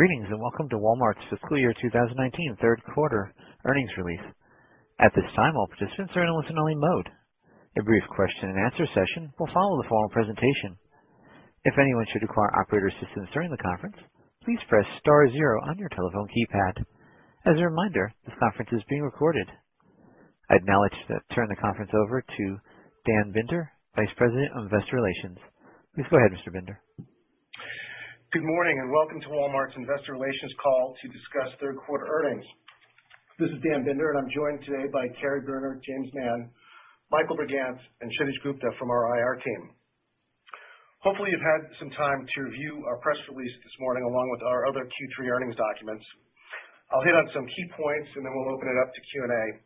Greetings, welcome to Walmart's Fiscal Year 2019 Third Quarter Earnings Release. At this time, all participants are in listen-only mode. A brief question-and-answer session will follow the formal presentation. If anyone should require operator assistance during the conference, please press star zero on your telephone keypad. As a reminder, this conference is being recorded. I'd now like to turn the conference over to Dan Binder, Vice President of Investor Relations. Please go ahead, Mr. Binder. Good morning, welcome to Walmart's Investor Relations call to discuss third quarter earnings. This is Dan Binder, I'm joined today by Kary Brunner, James Mann, Michael Brigance, and Shaneesh Gupta from our IR team. Hopefully, you've had some time to review our press release this morning, along with our other Q3 earnings documents. I'll hit on some key points, we'll open it up to Q&A.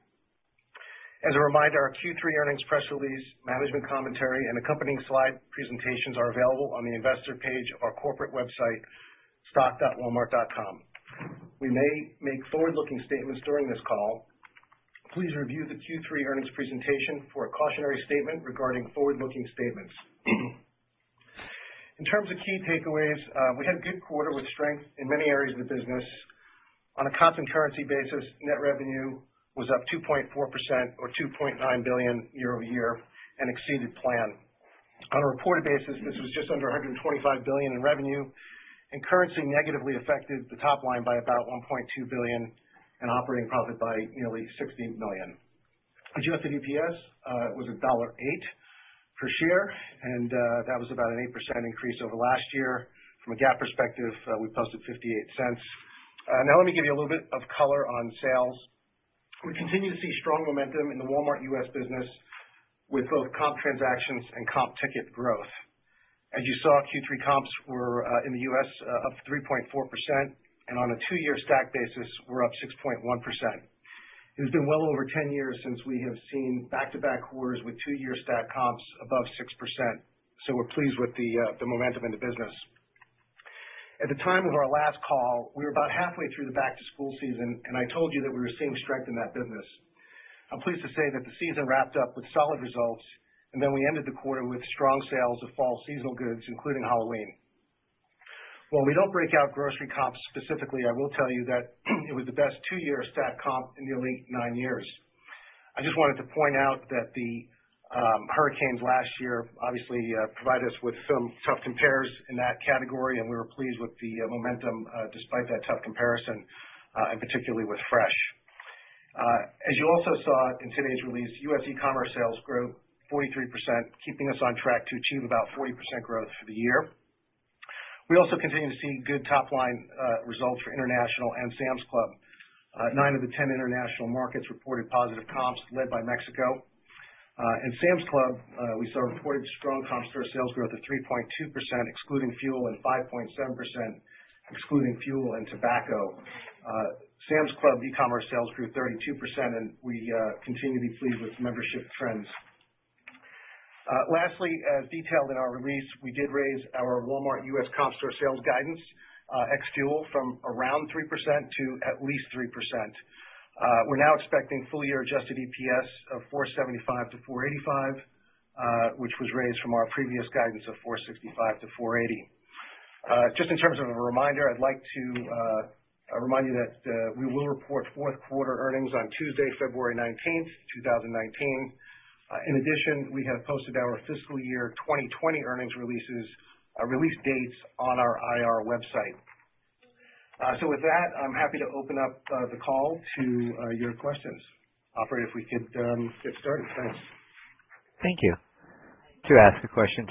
As a reminder, our Q3 earnings press release, management commentary, and accompanying slide presentations are available on the investor page of our corporate website, stock.walmart.com. We may make forward-looking statements during this call. Please review the Q3 earnings presentation for a cautionary statement regarding forward-looking statements. In terms of key takeaways, we had a good quarter with strength in many areas of the business. On a constant currency basis, net revenue was up 2.4%, or $2.9 billion year-over-year, exceeded plan. On a reported basis, this was just under $125 billion in revenue, currency negatively affected the top line by about $1.2 billion and operating profit by nearly $60 million. Adjusted EPS was $1.08 per share, that was about an 8% increase over last year. From a GAAP perspective, we posted $0.58. Let me give you a little bit of color on sales. We continue to see strong momentum in the Walmart U.S. business with both comp transactions and comp ticket growth. As you saw, Q3 comps were, in the U.S., up 3.4%, on a two-year stack basis, were up 6.1%. It has been well over 10 years since we have seen back-to-back quarters with two-year stack comps above 6%. We're pleased with the momentum in the business. At the time of our last call, we were about halfway through the back-to-school season, I told you that we were seeing strength in that business. I'm pleased to say that the season wrapped up with solid results, we ended the quarter with strong sales of fall seasonal goods, including Halloween. While we don't break out grocery comps specifically, I will tell you that it was the best two-year stack comp in nearly nine years. I just wanted to point out that the hurricanes last year obviously provided us with some tough compares in that category, we were pleased with the momentum despite that tough comparison, particularly with fresh. As you also saw in today's release, U.S. e-commerce sales grew 43%, keeping us on track to achieve about 40% growth for the year. We also continue to see good top-line results for international and Sam's Club. 9 of the 10 international markets reported positive comps led by Mexico. In Sam's Club, we saw reported strong comp store sales growth of 3.2%, excluding fuel, and 5.7%, excluding fuel and tobacco. Sam's Club e-commerce sales grew 32%, and we continue to be pleased with membership trends. Lastly, as detailed in our release, we did raise our Walmart U.S. comp store sales guidance, ex fuel, from around 3% to at least 3%. We're now expecting full-year adjusted EPS of $4.75-$4.85, which was raised from our previous guidance of $4.65-$4.80. Just in terms of a reminder, I'd like to remind you that we will report fourth quarter earnings on Tuesday, February 19th, 2019. In addition, we have posted our fiscal year 2020 earnings release dates on our IR website. With that, I'm happy to open up the call to your questions. Operator, if we could get started. Thanks. Thank you. Our first question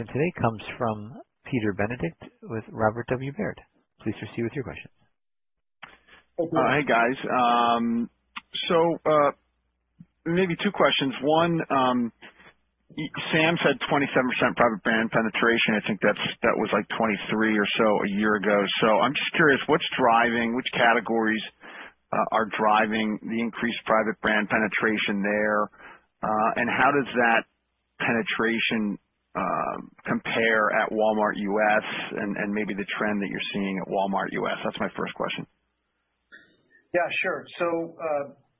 today comes from Peter Benedict with Robert W. Baird. Please proceed with your question. Hi, guys. Maybe two questions. One, Sam said 27% private brand penetration. I think that was 23% or so a year ago. I'm just curious, which categories are driving the increased private brand penetration there? How does that penetration compare at Walmart U.S. and maybe the trend that you're seeing at Walmart U.S.? That's my first question. Yeah, sure.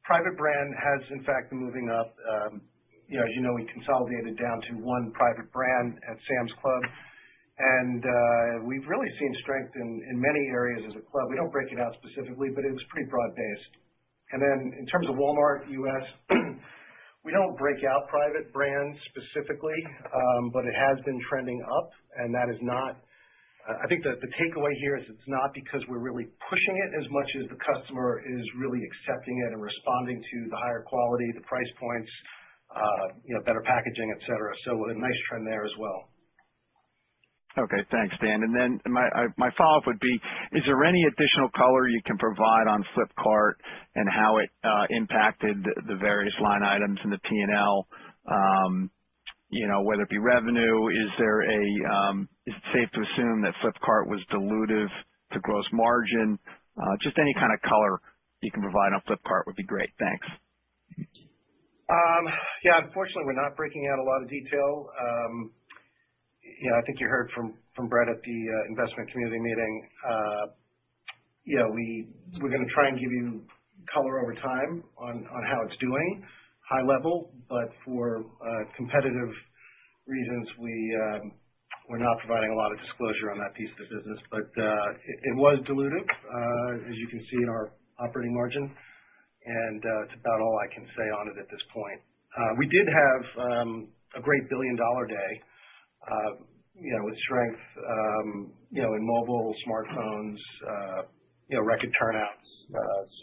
Private brand has, in fact, been moving up. As you know, we consolidated down to one private brand at Sam's Club, and we've really seen strength in many areas as a club. We don't break it out specifically, but it was pretty broad-based. In terms of Walmart U.S., we don't break out private brands specifically, but it has been trending up, and I think that the takeaway here is it's not because we're really pushing it as much as the customer is really accepting it and responding to the higher quality, the price points, better packaging, et cetera. A nice trend there as well. Okay, thanks, Dan. My follow-up would be, is there any additional color you can provide on Flipkart and how it impacted the various line items in the P&L? Whether it be revenue, is it safe to assume that Flipkart was dilutive to gross margin? Just any kind of color you can provide on Flipkart would be great. Thanks. Yeah, unfortunately, we're not breaking out a lot of detail. I think you heard from Brett at the investment community meeting. We're going to try and give you color over time on how it's doing, high level. For competitive reasons, we're not providing a lot of disclosure on that piece of the business. It was dilutive, as you can see in our operating margin, and that's about all I can say on it at this point. We did have a great Big Billion Days, with strength in mobile, smartphones, record turnouts.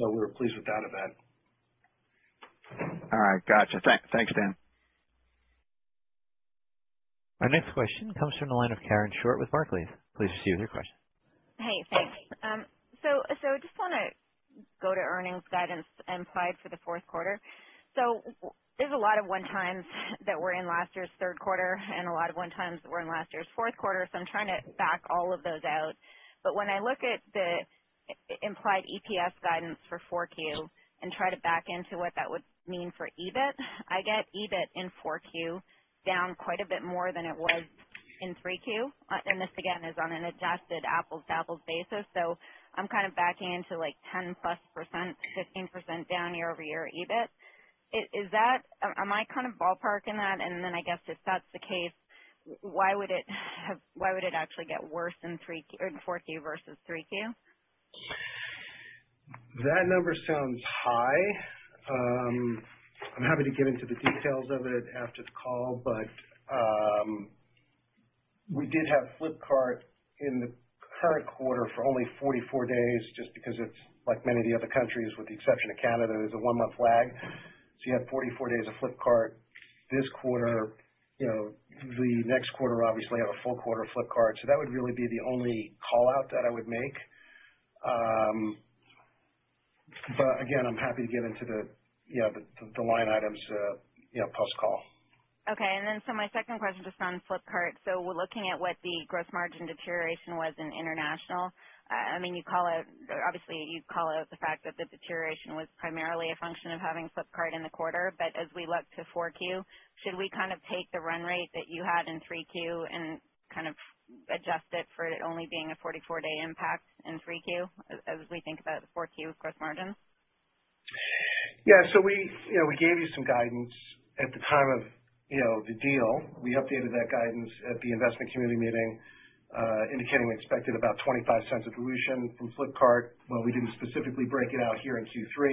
We were pleased with that event. All right. Got you. Thanks, Dan. Our next question comes from the line of Karen Short with Barclays. Hey, thanks. Just want to go to earnings guidance implied for the fourth quarter. There's a lot of one-times that were in last year's third quarter and a lot of one-times that were in last year's fourth quarter. I'm trying to back all of those out. When I look at the implied EPS guidance for 4Q and try to back into what that would mean for EBIT, I get EBIT in 4Q down quite a bit more than it was in 3Q' This again, is on an adjusted apples-to-apples basis. I'm backing into 10+% - 15% down year-over-year EBIT. Am I kind of ballparking that? I guess if that's the case, why would it actually get worse in 4Q versus 3Q? That number sounds high. I'm happy to get into the details of it after the call, but we did have Flipkart in the current quarter for only 44 days just because it's like many of the other countries, with the exception of Canada, there's a one-month lag. You have 44 days of Flipkart this quarter. The next quarter, obviously, have a full quarter of Flipkart. That would really be the only call-out that I would make. Again, I'm happy to get into the line items post-call. Okay. My second question, just on Flipkart. We're looking at what the gross margin deterioration was in international. Obviously, you call out the fact that the deterioration was primarily a function of having Flipkart in the quarter. As we look to 4Q, should we take the run rate that you had in 3Q ,and adjust it for it only being a 44-day impact in 3Q as we think about the 4Q gross margin? Yeah. We gave you some guidance at the time of the deal. We updated that guidance at the investment community meeting, indicating we expected about $0.25 of dilution from Flipkart. While we didn't specifically break it out here in Q3,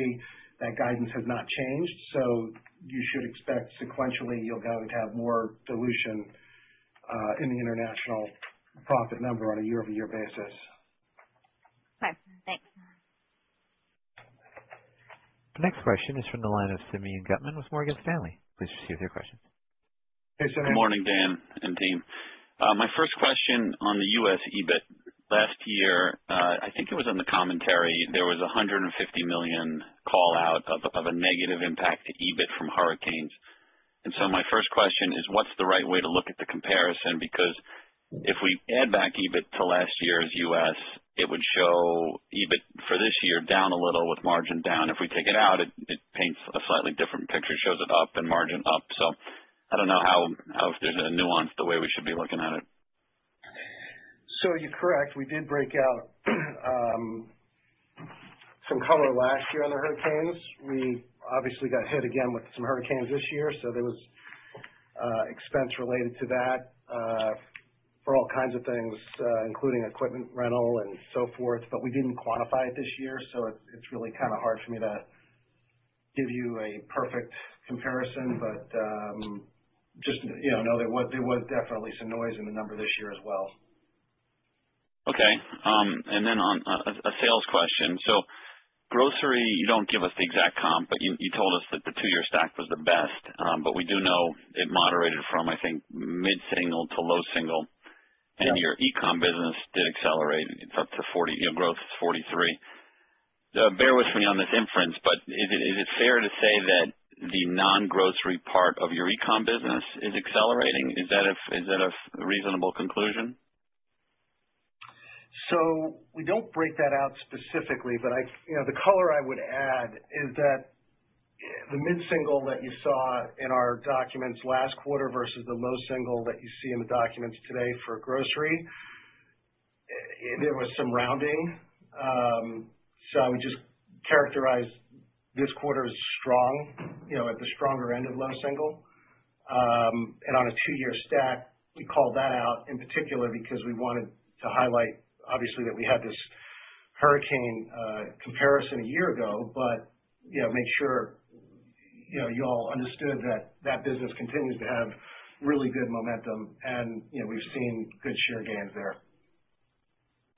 that guidance has not changed. You should expect sequentially you're going to have more dilution in the international profit number on a year-over-year basis. Okay, thanks. The next question is from the line of Simeon Gutman with Morgan Stanley. Hey, Simeon. Good morning, Dan and team? My first question on the U.S. EBIT. Last year, I think it was in the commentary, there was a $150 million call-out of a negative impact to EBIT from hurricanes. My first question is what's the right way to look at the comparison? Because if we add back EBIT to last year's U.S., it would show EBIT for this year down a little with margin down. If we take it out, it paints a slightly different picture, shows it up and margin up. I don't know if there's a nuance the way we should be looking at it. You're correct. We did break out some color last year on the hurricanes. We obviously got hit again with some hurricanes this year, so there was expense related to that, for all kinds of things, including equipment rental and so forth. We didn't quantify it this year, so it's really kind of hard for me to give you a perfect comparison. Just know there was definitely some noise in the number this year as well. Okay. On a sales question. Grocery, you don't give us the exact comp, but you told us that the two-year stack was the best. We do know it moderated from, I think, mid-single to low single. Yeah. Your e-com business did accelerate. Growth is upto 43%. Bear with me on this inference, is it fair to say that the non-grocery part of your e-com business is accelerating? Is that a reasonable conclusion? We don't break that out specifically, the color I would add is that the mid-single that you saw in our documents last quarter versus the low single that you see in the documents today for grocery, there was some rounding. I would just characterize this quarter as strong, at the stronger end of low single. On a two-year stack, we called that out in particular because we wanted to highlight, obviously, that we had this hurricane comparison a year ago, but make sure you all understood that that business continues to have really good momentum and we've seen good share gains there.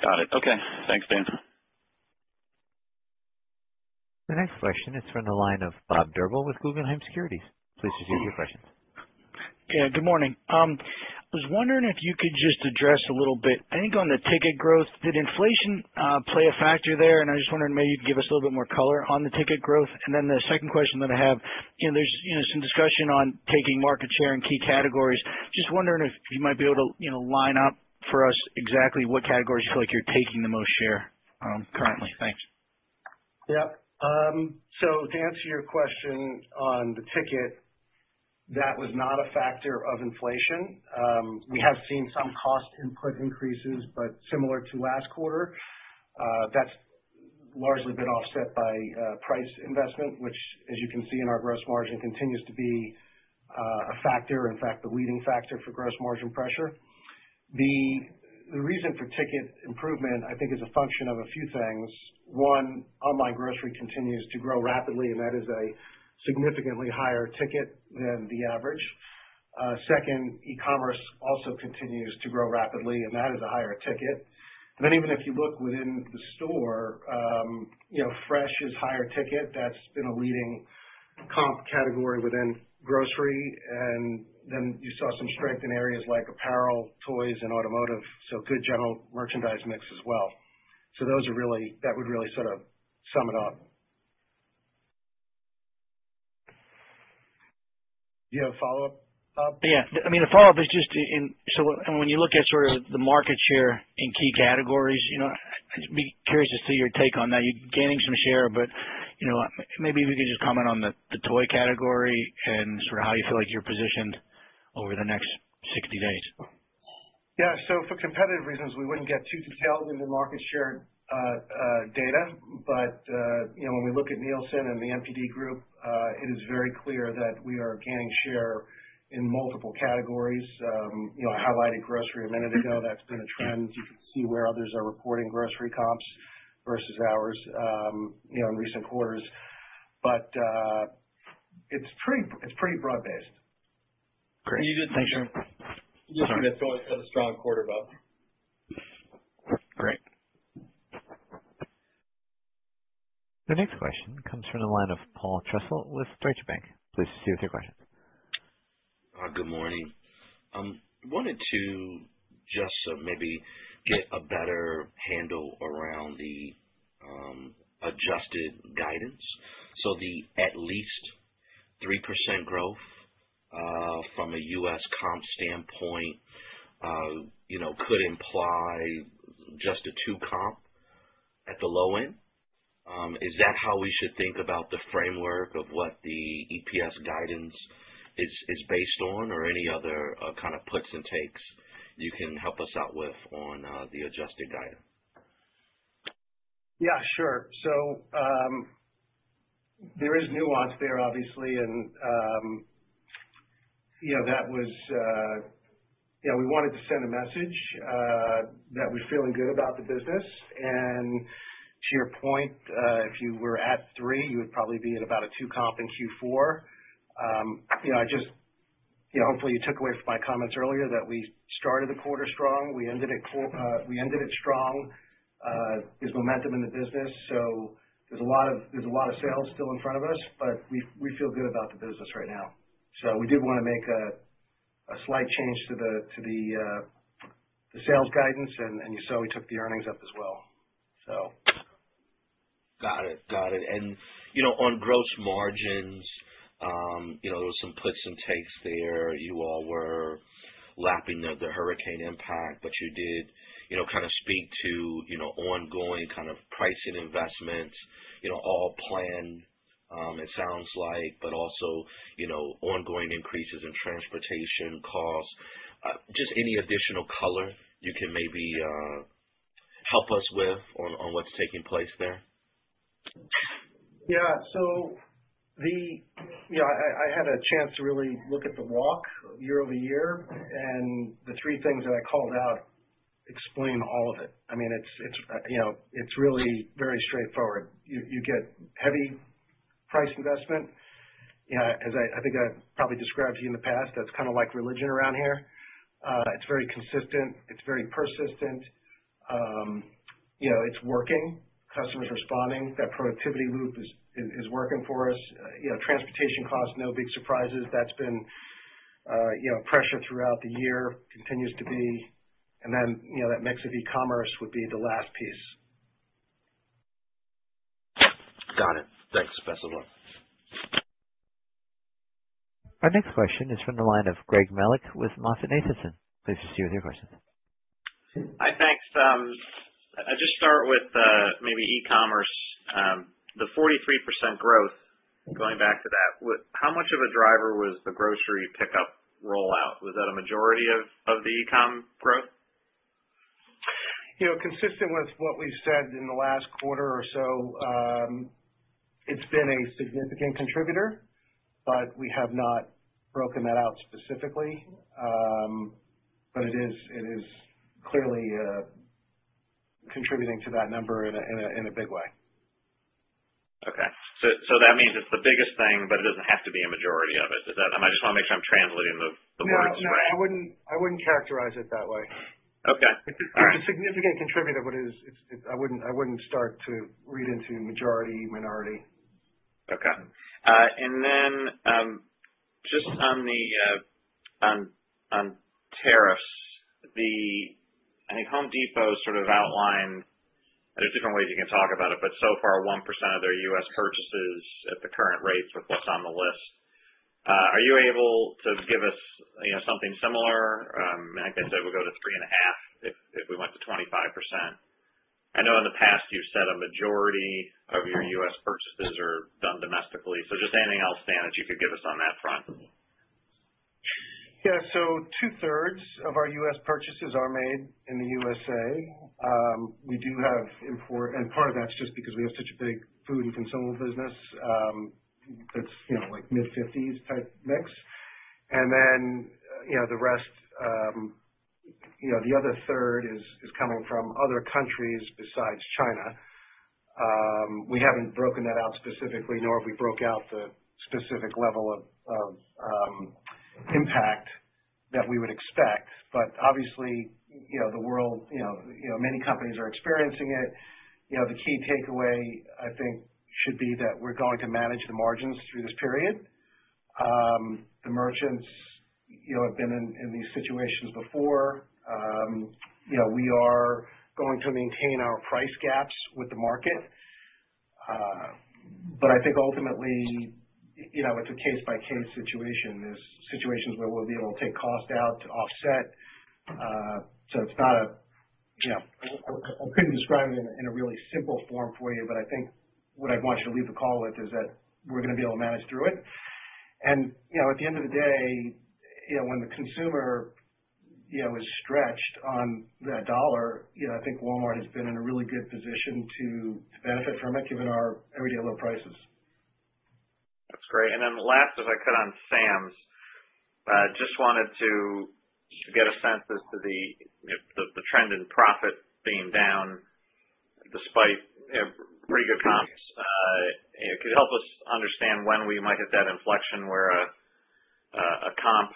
Got it. Okay. Thanks, Dan. The next question is from the line of Bob Drbul with Guggenheim Securities. Good morning. I was wondering if you could just address a little bit, I think on the ticket growth, did inflation play a factor there? I just wondered maybe you could give us a little bit more color on the ticket growth. Then the second question that I have, there's some discussion on taking market share in key categories. Just wondering if you might be able to line up for us exactly what categories you feel like you're taking the most share currently. Thanks. To answer your question on the ticket, that was not a factor of inflation. We have seen some cost input increases, but similar to last quarter. That's largely been offset by price investment, which as you can see in our gross margin, continues to be a factor, in fact, the leading factor for gross margin pressure. The reason for ticket improvement, I think, is a function of a few things. One, online grocery continues to grow rapidly, and that is a significantly higher ticket than the average. Second, e-commerce also continues to grow rapidly, and that is a higher ticket. Even if you look within the store, fresh is higher ticket. That's been a leading comp category within grocery. You saw some strength in areas like apparel, toys, and automotive, good general merchandise mix as well. That would really sort of sum it up. You have a follow-up, Bob? Yeah. The follow-up is just when you look at sort of the market share in key categories, I'd be curious to see your take on that. You're gaining some share, but maybe if you could just comment on the toy category and sort of how you feel like you're positioned over the next 60 days. Yeah. For competitive reasons, we wouldn't get too detailed into market share data. When we look at Nielsen and the NPD Group, it is very clear that we are gaining share in multiple categories. I highlighted grocery a minute ago. That's been a trend. You can see where others are reporting grocery comps versus ours in recent quarters. It's pretty broad-based. Great. Thanks. You did- Sorry. Just had a strong quarter, Bob. Great. The next question comes from the line of Paul Trussell with Deutsche Bank. Good morning. Wanted to just maybe get a better handle around the adjusted guidance. The at least 3% growth from a U.S. comp standpoint could imply just a two comp at the low end. Is that how we should think about the framework of what the EPS guidance is based on? Any other puts and takes you can help us out with on the adjusted guidance? Yeah, sure. There is nuance there, obviously. We wanted to send a message that we're feeling good about the business. To your point, if you were at three, you would probably be at about a two comp in Q4. Hopefully you took away from my comments earlier that we started the quarter strong. We ended it strong. There's momentum in the business. There's a lot of sales still in front of us, but we feel good about the business right now. We did want to make a slight change to the sales guidance, and you saw we took the earnings up as well. Got it. On gross margins, there were some puts and takes there. You all were lapping the hurricane impact, but you did speak to ongoing pricing investments, all planned it sounds like, but also ongoing increases in transportation costs. Just any additional color you can maybe help us with on what's taking place there? Yeah. I had a chance to really look at the walk year-over-year, the three things that I called out explain all of it. It's really very straightforward. You get heavy price investment. As I think I probably described to you in the past, that's kind of like religion around here. It's very consistent. It's very persistent. It's working. Customer's responding. That productivity move is working for us. Transportation costs, no big surprises. That's been pressure throughout the year, continues to be. That mix of e-commerce would be the last piece. Got it. Thanks. Best of luck. Our next question is from the line of Greg Melich with MoffettNathanson. Hi. Thanks. I'll just start with maybe e-commerce. The 43% growth, going back to that, how much of a driver was the grocery pickup rollout? Was that a majority of the e-com growth? Consistent with what we've said in the last quarter or so, it's been a significant contributor, we have not broken that out specifically. It is clearly contributing to that number in a big way. Okay. That means it's the biggest thing, but it doesn't have to be a majority of it. I just want to make sure I'm translating the words correctly. No, I wouldn't characterize it that way. Okay. All right. It's a significant contributor, but I wouldn't start to read into majority, minority. Okay. Just on tariffs. I think The Home Depot sort of outlined, there's different ways you can talk about it, but so far, 1% of their U.S. purchases at the current rates with what's on the list. Are you able to give us something similar? Like I said, we'll go to 3.5% if we went to 25%. I know in the past you've said a majority of your U.S. purchases are done domestically, so just anything else, Dan, that you could give us on that front. 2/3 of our U.S. purchases are made in the U.S.A. We do have import. Part of that is just because we have such a big food and consumable business that's mid-fifties type mix. The other 1/3 is coming from other countries besides China. We haven't broken that out specifically, nor have we broken out the specific level of impact that we would expect. Obviously, many companies are experiencing it. The key takeaway, I think, should be that we're going to manage the margins through this period. The merchants have been in these situations before. We are going to maintain our price gaps with the market. I think ultimately, it's a case-by-case situation. There's situations where we'll be able to take cost out to offset. I couldn't describe it in a really simple form for you, I think what I'd want you to leave the call with is that we're going to be able to manage through it. At the end of the day, when the consumer is stretched on that dollar, I think Walmart has been in a really good position to benefit from it, given our Everyday Low Prices. That's great. Last, if I could, on Sam's. Just wanted to get a sense as to the trend in profit being down despite stronger comps. If you could help us understand when we might hit that inflection where a comp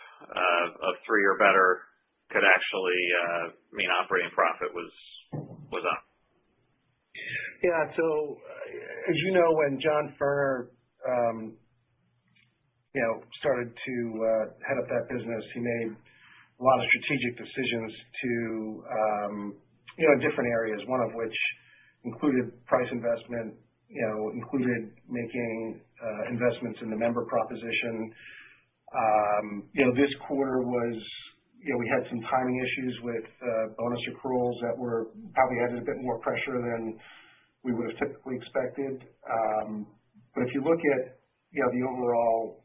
of three or better could actually mean operating profit was up. As you know, when John Furner started to head up that business, he made a lot of strategic decisions in different areas, one of which included price investment, included making investments in the member proposition. This quarter, we had some timing issues with bonus accruals that probably added a bit more pressure than we would've typically expected. If you look at the overall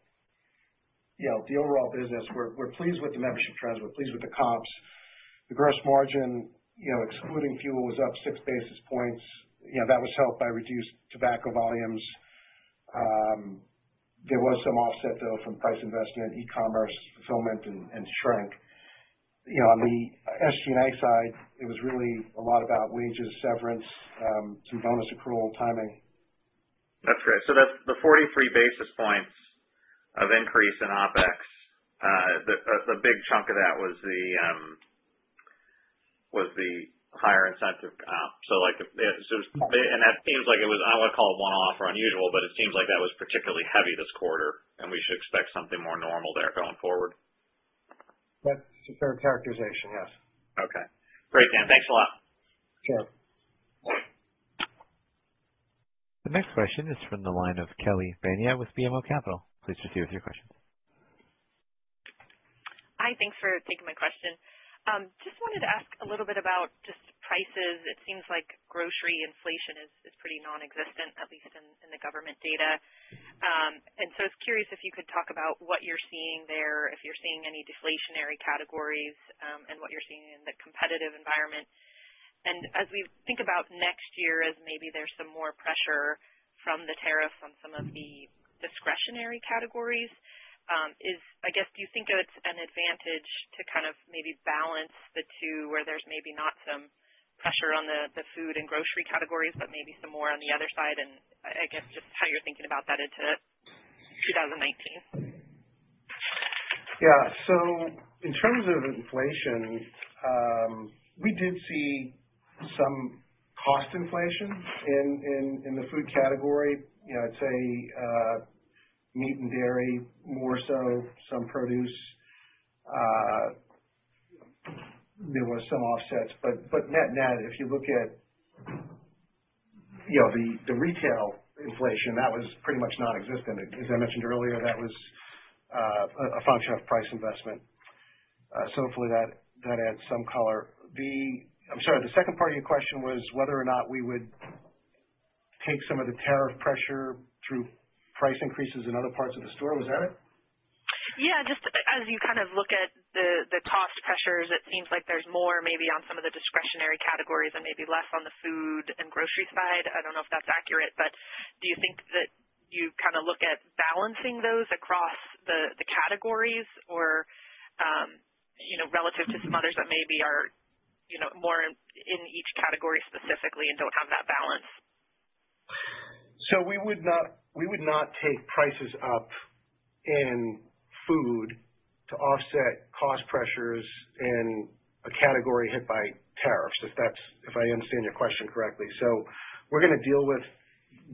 business, we're pleased with the membership trends, we're pleased with the comps. The gross margin, excluding fuel, was up six basis points. That was helped by reduced tobacco volumes. There was some offset, though, from price investment, e-commerce fulfillment, and shrink. On the SG&A side, it was really a lot about wages, severance, some bonus accrual timing. That's great. The 43 basis points of increase in OpEx, the big chunk of that was the higher incentive comp. I would call it one-off or unusual, it seems like that was particularly heavy this quarter, and we should expect something more normal there going forward. That's a fair characterization, yes. Great, Dan. Thanks a lot. Sure. The next question is from the line of Kelly Bania with BMO Capital Markets. Hi. Thanks for taking my question. Just wanted to ask a little bit about just prices. It seems like grocery inflation is pretty nonexistent, at least in the government data. I was curious if you could talk about what you're seeing there, if you're seeing any deflationary categories, and what you're seeing in the competitive environment. As we think about next year, as maybe there's some more pressure from the tariff on some of the discretionary categories, I guess, do you think it's an advantage to kind of maybe balance the two where there's maybe not some pressure on the food and grocery categories, but maybe some more on the other side, and I guess, just how you're thinking about that into 2019. Yeah. In terms of inflation, we did see some cost inflation in the food category. I'd say meat and dairy more so, some produce. There was some offsets. Net net, if you look at the retail inflation, that was pretty much nonexistent. As I mentioned earlier, that was a function of price investment. Hopefully that adds some color. I'm sorry, the second part of your question was whether or not we would take some of the tariff pressure through price increases in other parts of the store. Was that it? Yeah, just as you look at the cost pressures, it seems like there's more maybe on some of the discretionary categories and maybe less on the food and grocery side. I don't know if that's accurate, do you think that you kind of look at balancing those across the categories or, relative to some others that maybe are more in each category specifically and don't have that balance? We would not take prices up in food to offset cost pressures in a category hit by tariffs, if I understand your question correctly. We're going to deal with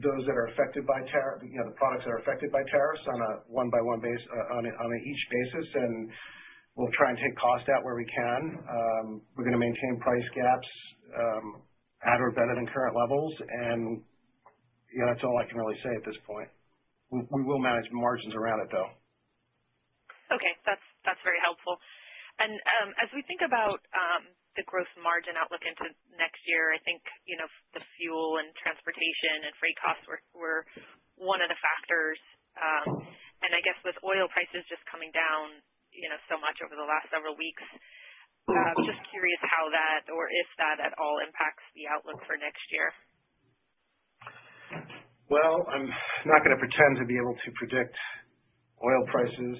the products that are affected by tariffs on an each basis, and we'll try and take cost out where we can. We're going to maintain price gaps at or better than current levels. Yeah, that's all I can really say at this point. We will manage margins around it, though. Okay. That's very helpful. As we think about the gross margin outlook into next year, I think, the fuel and transportation and freight costs were one of the factors. I guess with oil prices just coming down so much over the last several weeks, just curious how that or if that at all impacts the outlook for next year. Well, I'm not going to pretend to be able to predict oil prices.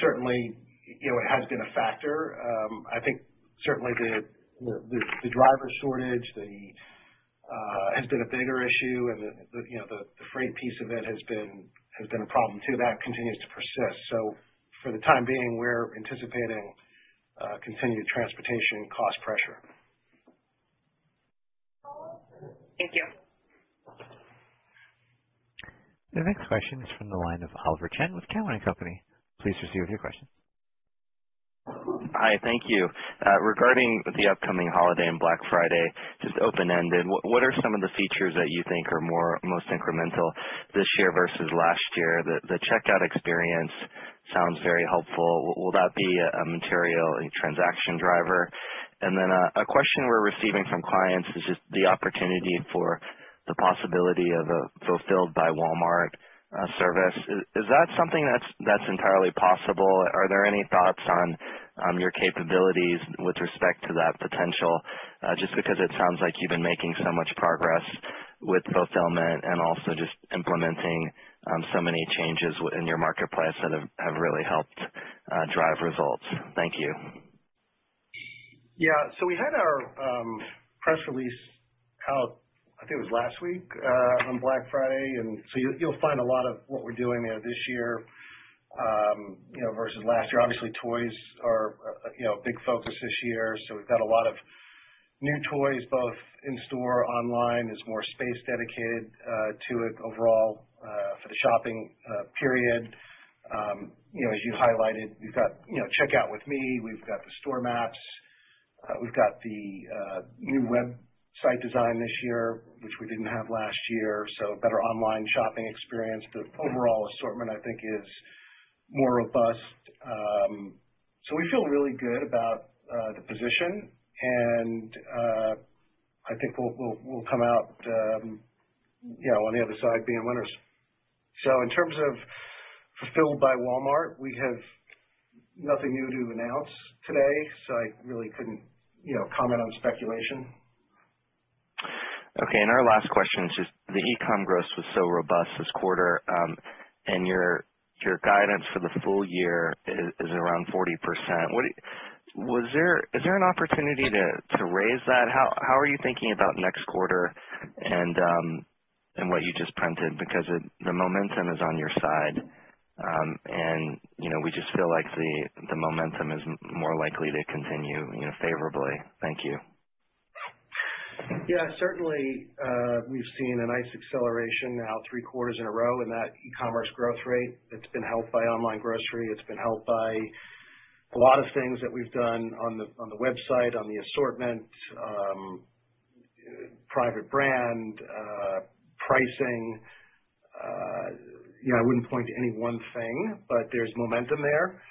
Certainly, it has been a factor. I think certainly the driver shortage has been a bigger issue and the freight piece of it has been a problem, too. That continues to persist. For the time being, we're anticipating continued transportation cost pressure. Thank you. The next question is from the line of Oliver Chen with Cowen and Company. Hi. Thank you. Regarding the upcoming holiday and Black Friday, just open-ended, what are some of the features that you think are most incremental this year versus last year? The checkout experience sounds very helpful. Will that be a material transaction driver? Then, a question we're receiving from clients is just the opportunity for the possibility of a Walmart Fulfillment Services service. Is that something that's entirely possible? Are there any thoughts on your capabilities with respect to that potential? Just because it sounds like you've been making so much progress with fulfillment and also just implementing so many changes in your marketplace that have really helped drive results. Thank you. We had our press release out, I think it was last week, on Black Friday, you'll find a lot of what we're doing there this year versus last year. Obviously, toys are a big focus this year, we've got a lot of new toys, both in store, online. There's more space dedicated to it overall for the shopping period. As you highlighted, we've got Checkout With Me. We've got the store maps. We've got the new website design this year, which we didn't have last year, so better online shopping experience. The overall assortment, I think, is more robust. We feel really good about the position, and I think we'll come out on the other side being winners. In terms of Fulfilled by Walmart, we have nothing new to announce today, so I really couldn't comment on speculation. Okay. Our last question is just the e-com growth was so robust this quarter, and your guidance for the full year is around 40%. Is there an opportunity to raise that? How are you thinking about next quarter and what you just printed? The momentum is on your side, and we just feel like the momentum is more likely to continue favorably. Thank you. Yeah, certainly, we've seen a nice acceleration now three quarters in a row in that e-commerce growth rate. It's been helped by online grocery. It's been helped by a lot of things that we've done on the website, on the assortment, private brand, pricing. I wouldn't point to any one thing, but there's momentum there.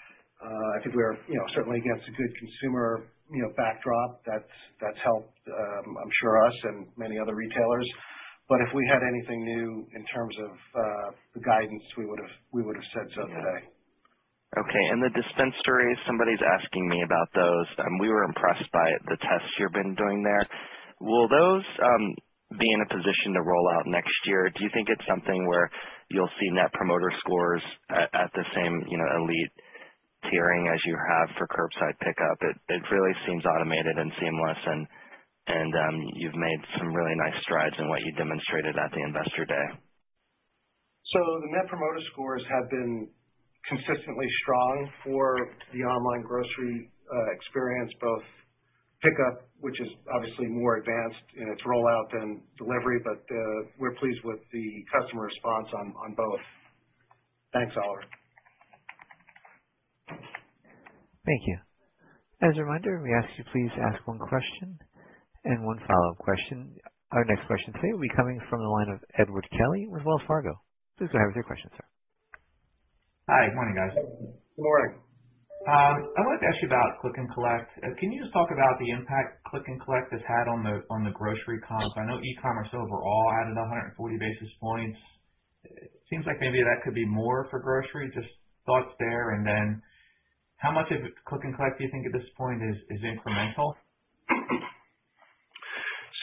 I think we are certainly against a good consumer backdrop that's helped, I'm sure us and many other retailers. If we had anything new in terms of the guidance, we would've said so today. The dispense arrays, somebody's asking me about those. We were impressed by the tests you've been doing there. Will those be in a position to roll out next year? Do you think it's something where you'll see net promoter scores at the same elite tiering as you have for curbside pickup? It really seems automated and seamless and you've made some really nice strides in what you demonstrated at the investor day. The net promoter scores have been consistently strong for the online grocery experience, both pickup, which is obviously more advanced in its rollout than delivery. We're pleased with the customer response on both. Thanks, Oliver. Our next question today will be coming from the line of Edward Kelly with Wells Fargo. Hi. Good morning, guys? Good morning. I'd like to ask you about Click and Collect. Can you just talk about the impact Click and Collect has had on the grocery comp? I know e-commerce overall added 140 basis points. Seems like maybe that could be more for grocery. Just thoughts there, and then how much of Click and Collect do you think at this point is incremental?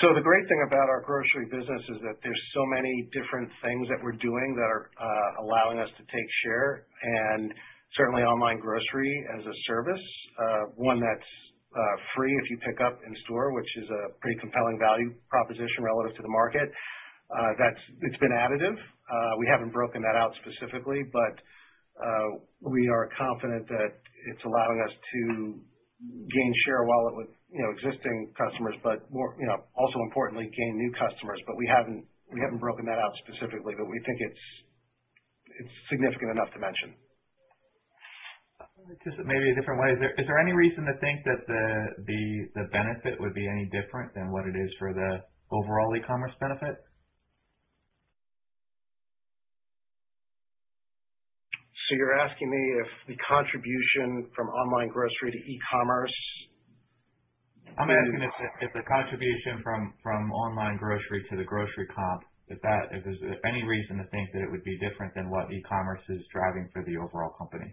The great thing about our grocery business is that there's so many different things that we're doing that are allowing us to take share, and certainly online grocery as a service, one that's free if you pick up in store, which is a pretty compelling value proposition relative to the market. It's been additive. We haven't broken that out specifically, but we are confident that it's allowing us to gain share while with existing customers, but more, also importantly, gain new customers. We haven't broken that out specifically, but we think it's significant enough to mention. Just maybe a different way. Is there any reason to think that the benefit would be any different than what it is for the overall e-commerce benefit? You're asking me if the contribution from online grocery to e-commerce- I'm asking if the contribution from online grocery to the grocery comp, if any reason to think that it would be different than what e-commerce is driving for the overall company.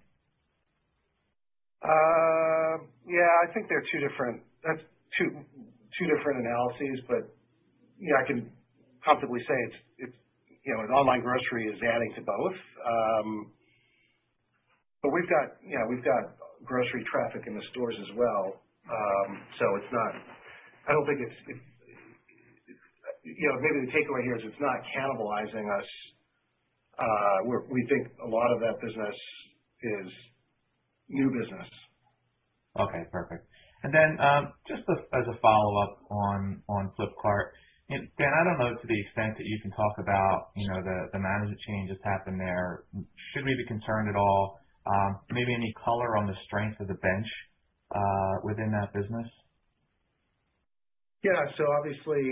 Yeah, I think that's two different analyses. I can comfortably say an online grocery is adding to both. We've got grocery traffic in the stores as well. Maybe the takeaway here is it's not cannibalizing us. We think a lot of that business is new business. Okay, perfect. Just as a follow-up on Flipkart. Dan, I don't know to the extent that you can talk about the management changes happened there. Should we be concerned at all? Maybe any color on the strength of the bench within that business? Obviously,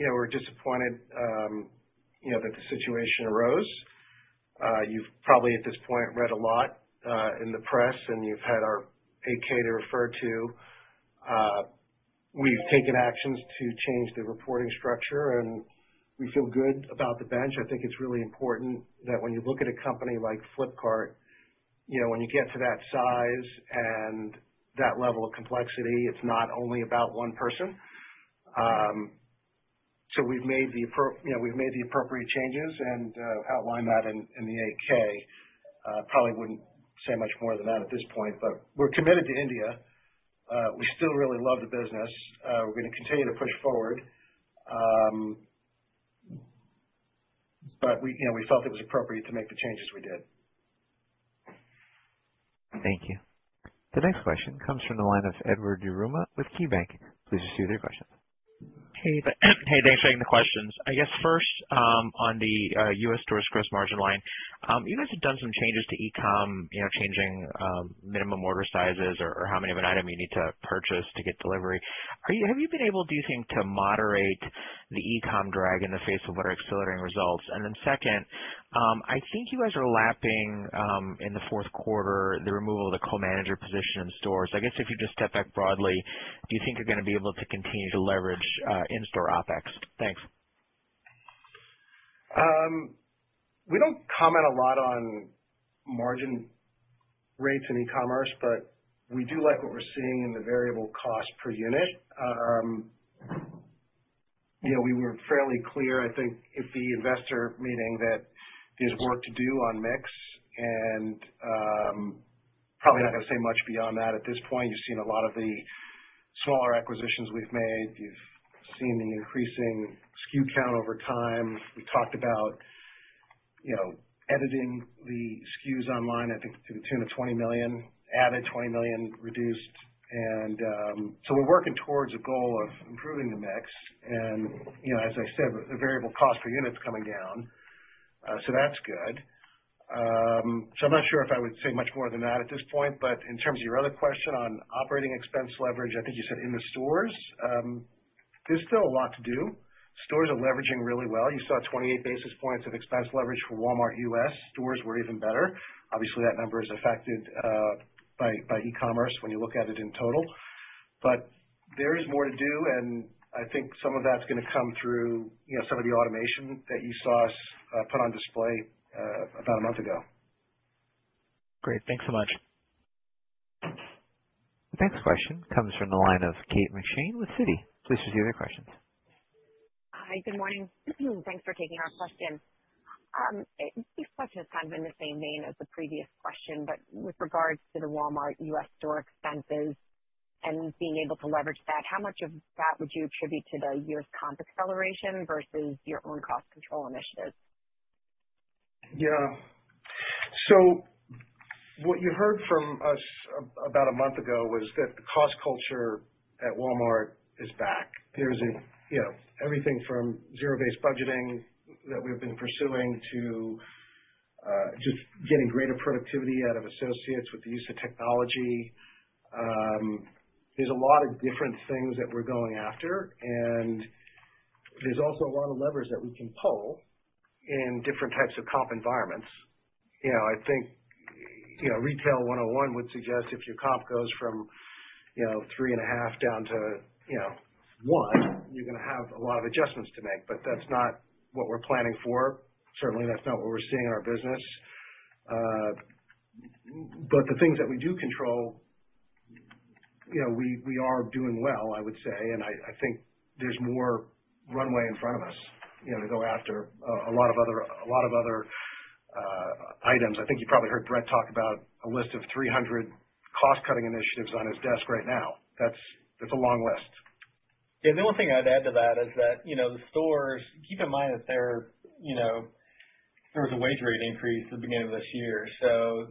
we're disappointed that the situation arose. You've probably, at this point, read a lot in the press, and you've had our 8-K to refer to. We've taken actions to change the reporting structure, and we feel good about the bench. I think it's really important that when you look at a company like Flipkart, when you get to that size and that level of complexity, it's not only about one person. We've made the appropriate changes and outlined that in the 8-K. Probably wouldn't say much more than that at this point, but we're committed to India. We still really love the business. We're going to continue to push forward. We felt it was appropriate to make the changes we did. Thank you. The next question comes from the line of Edward Yruma with KeyBanc. Hey, thanks for taking the questions. I guess first, on the U.S. stores gross margin line. You guys have done some changes to e-com, changing minimum order sizes or how many of an item you need to purchase to get delivery. Have you been able, do you think, to moderate the e-com drag in the face of what are accelerating results? Second, I think you guys are lapping, in the fourth quarter, the removal of the co-manager position in stores. I guess if you just step back broadly, do you think you're going to be able to continue to leverage in-store OpEx? Thanks. We don't comment a lot on margin rates in e-commerce, but we do like what we're seeing in the variable cost per unit. We were fairly clear, I think, at the investor meeting that there's work to do on mix, probably not going to say much beyond that at this point. You've seen a lot of the smaller acquisitions we've made. You've seen the increasing SKU count over time. We talked about editing the SKUs online, I think to the tune of 20 million added, 20 million reduced. We're working towards a goal of improving the mix and, as I said, the variable cost per unit's coming down, that's good. I'm not sure if I would say much more than that at this point, but in terms of your other question on operating expense leverage, I think you said in the stores, there's still a lot to do. Stores are leveraging really well. You saw 28 basis points of expense leverage for Walmart U.S. Stores were even better. Obviously, that number is affected by e-commerce when you look at it in total. There is more to do, and I think some of that's going to come through some of the automation that you saw us put on display about a month ago. Great. Thanks so much. The next question comes from the line of Kate McShane with Citi. Hi, good morning. Thanks for taking our question. This question is kind of in the same vein as the previous question, but with regards to the Walmart U.S. store expenses and being able to leverage that, how much of that would you attribute to the year's comp acceleration versus your own cost control initiatives? Yeah. What you heard from us about a month ago was that the cost culture at Walmart is back. There's everything from zero-based budgeting that we've been pursuing to just getting greater productivity out of associates with the use of technology. There's a lot of different things that we're going after, and there's also a lot of levers that we can pull in different types of comp environments. I think Retail 101 would suggest if your comp goes from 3.5% down to 1%, you're going to have a lot of adjustments to make. That's not what we're planning for. Certainly, that's not what we're seeing in our business. The things that we do control, we are doing well, I would say. I think there's more runway in front of us to go after a lot of other items. I think you probably heard Brett talk about a list of 300 cost-cutting initiatives on his desk right now. That's a long list. The only thing I'd add to that is that the stores, keep in mind that there was a wage rate increase at the beginning of this year.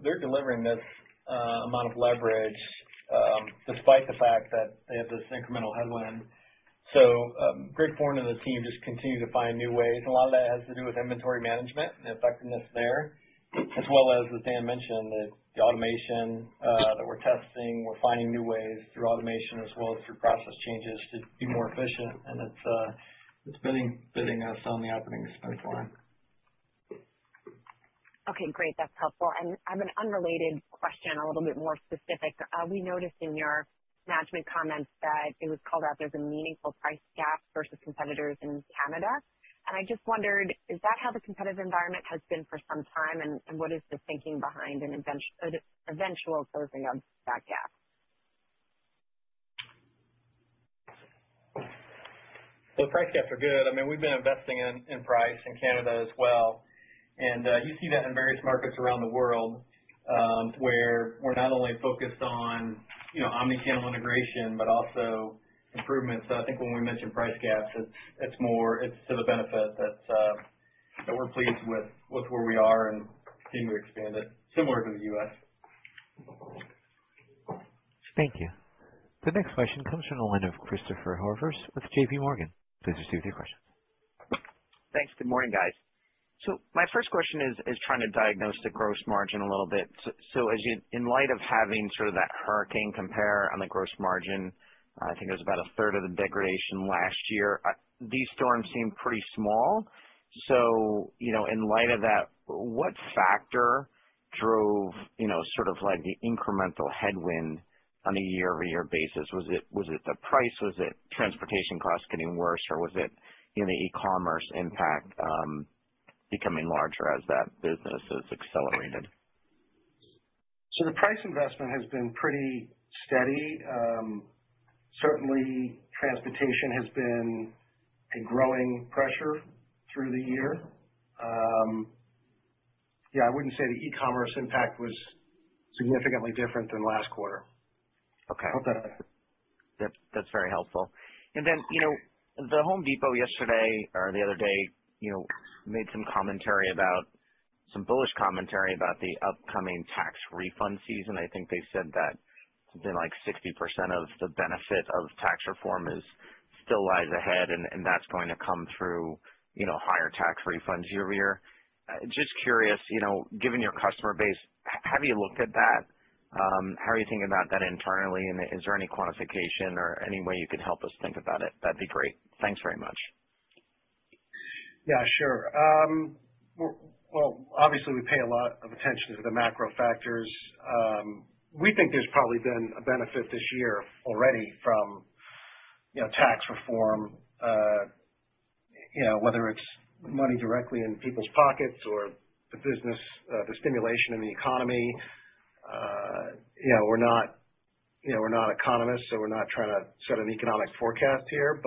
They're delivering this amount of leverage Despite the fact that they have this incremental headwind. Greg Foran and the team just continue to find new ways. A lot of that has to do with inventory management and effectiveness there, as well as Dan mentioned, the automation that we're testing. We're finding new ways through automation as well as through process changes to be more efficient. It's bidding us on the operating expense line. Okay, great. That's helpful. I have an unrelated question, a little bit more specific. We noticed in your management comments that it was called out there's a meaningful price gap versus competitors in Canada. I just wondered, is that how the competitive environment has been for some time? What is the thinking behind an eventual closing of that gap? The price gaps are good. I mean, we've been investing in price in Canada as well. You see that in various markets around the world, where we're not only focused on, you know, omni-channel integration, but also improvements. I think when we mention price gaps, it's to the benefit that we're pleased with where we are and continue to expand it similar to the U.S. The next question comes from the line of Christopher Horvers with J.P. Morgan. Thanks. Good morning, guys. My first question is trying to diagnose the gross margin a little bit. In light of having sort of that hurricane compare on the gross margin, I think it was about a third of the degradation last year. These storms seem pretty small. In light of that, what factor drove sort of like the incremental headwind on a year-over-year basis? Was it the price? Was it transportation costs getting worse? Or was it the e-commerce impact becoming larger as that business has accelerated? The price investment has been pretty steady. Certainly transportation has been a growing pressure through the year. Yeah, I wouldn't say the e-commerce impact was significantly different than last quarter. Okay. Okay. Yep, that's very helpful. Then, The Home Depot yesterday or the other day made some bullish commentary about the upcoming tax refund season. I think they said that something like 60% of the benefit of tax reform still lies ahead, and that's going to come through higher tax refunds year-over-year. Just curious, given your customer base, have you looked at that? How are you thinking about that internally, and is there any quantification or any way you can help us think about it? That'd be great. Thanks very much. Yeah, sure. Well, obviously, we pay a lot of attention to the macro factors. We think there's probably been a benefit this year already from tax reform, whether it's money directly in people's pockets or the business, the stimulation in the economy. We're not economists, we're not trying to set an economic forecast here.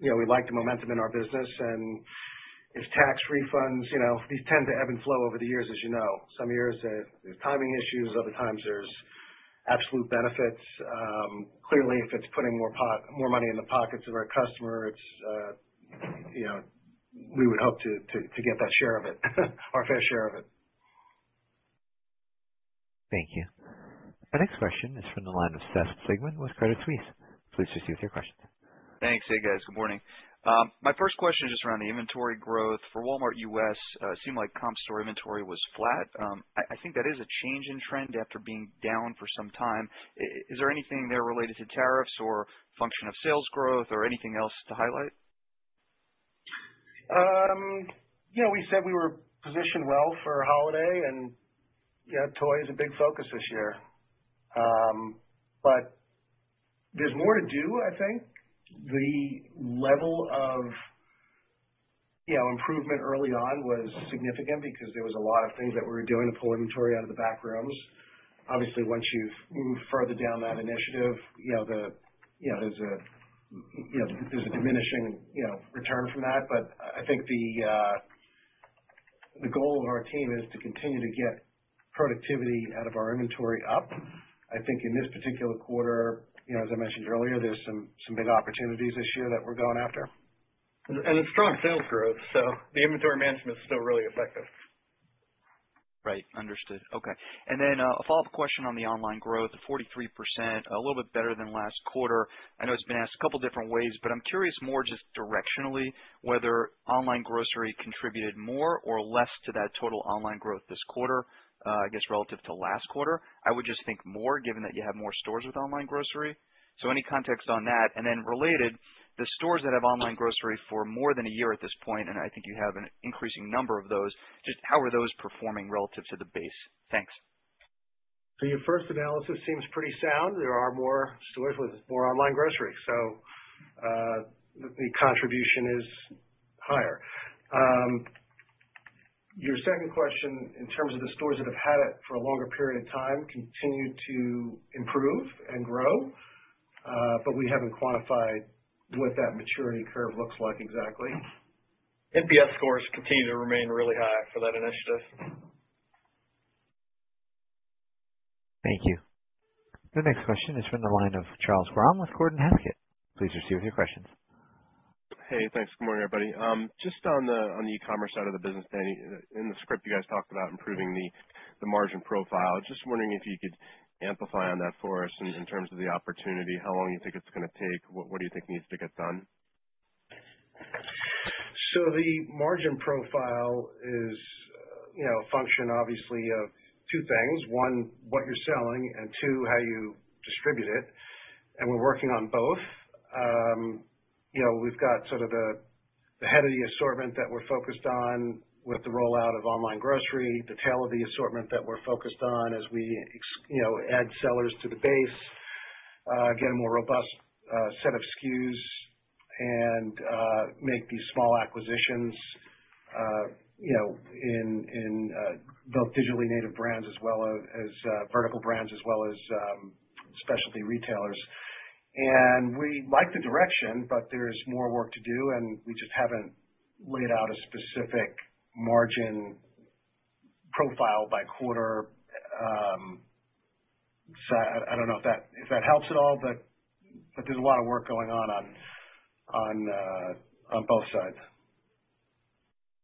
We like the momentum in our business, and if tax refunds, these tend to ebb and flow over the years, as you know. Some years, there's timing issues, other times there's absolute benefits. Clearly, if it's putting more money in the pockets of our customer, we would hope to get that share of it, our fair share of it. Our next question is from the line of Seth Sigman with Credit Suisse. Thanks. Hey, guys. Good morning. My first question is just around the inventory growth for Walmart U.S. Seemed like comp store inventory was flat. I think that is a change in trend after being down for some time. Is there anything there related to tariffs or function of sales growth or anything else to highlight? We said we were positioned well for holiday and yeah, toy is a big focus this year. There's more to do, I think. The level of improvement early on was significant because there was a lot of things that we were doing to pull inventory out of the back rooms. Obviously, once you've moved further down that initiative, there's a diminishing return from that. I think the goal of our team is to continue to get productivity out of our inventory up. I think in this particular quarter, as I mentioned earlier, there's some big opportunities this year that we're going after. It's strong sales growth, the inventory management is still really effective. Right. Understood. Okay. A follow-up question on the online growth, the 43%, a little bit better than last quarter. I know it's been asked a couple different ways, but I'm curious more just directionally whether online grocery contributed more or less to that total online growth this quarter, I guess relative to last quarter. I would just think more given that you have more stores with online grocery. Any context on that? Then related, the stores that have online grocery for more than a year at this point, and I think you have an increasing number of those, just how are those performing relative to the base? Thanks. Your first analysis seems pretty sound. There are more stores with more online grocery, so the contribution is higher. Your second question in terms of the stores that have had it for a longer period of time continue to improve and grow, but we haven't quantified what that maturity curve looks like exactly. NPS scores continue to remain really high for that initiative. The next question is from the line of Chuck Grom with Gordon Haskett. Hey, thanks. Good morning, everybody. Just on the e-commerce side of the business, Dan, in the script, you guys talked about improving the margin profile. I was just wondering if you could amplify on that for us in terms of the opportunity, how long you think it's going to take. What do you think needs to get done? The margin profile is a function, obviously, of two things. One, what you're selling, and two, how you distribute it. We're working on both. We've got sort of the head of the assortment that we're focused on with the rollout of online grocery, the tail of the assortment that we're focused on as we add sellers to the base, get a more robust set of SKUs and make these small acquisitions in both digitally native brands as well as vertical brands as well as specialty retailers. We like the direction, but there's more work to do, and we just haven't laid out a specific margin profile by quarter. I don't know if that helps at all, but there's a lot of work going on both sides.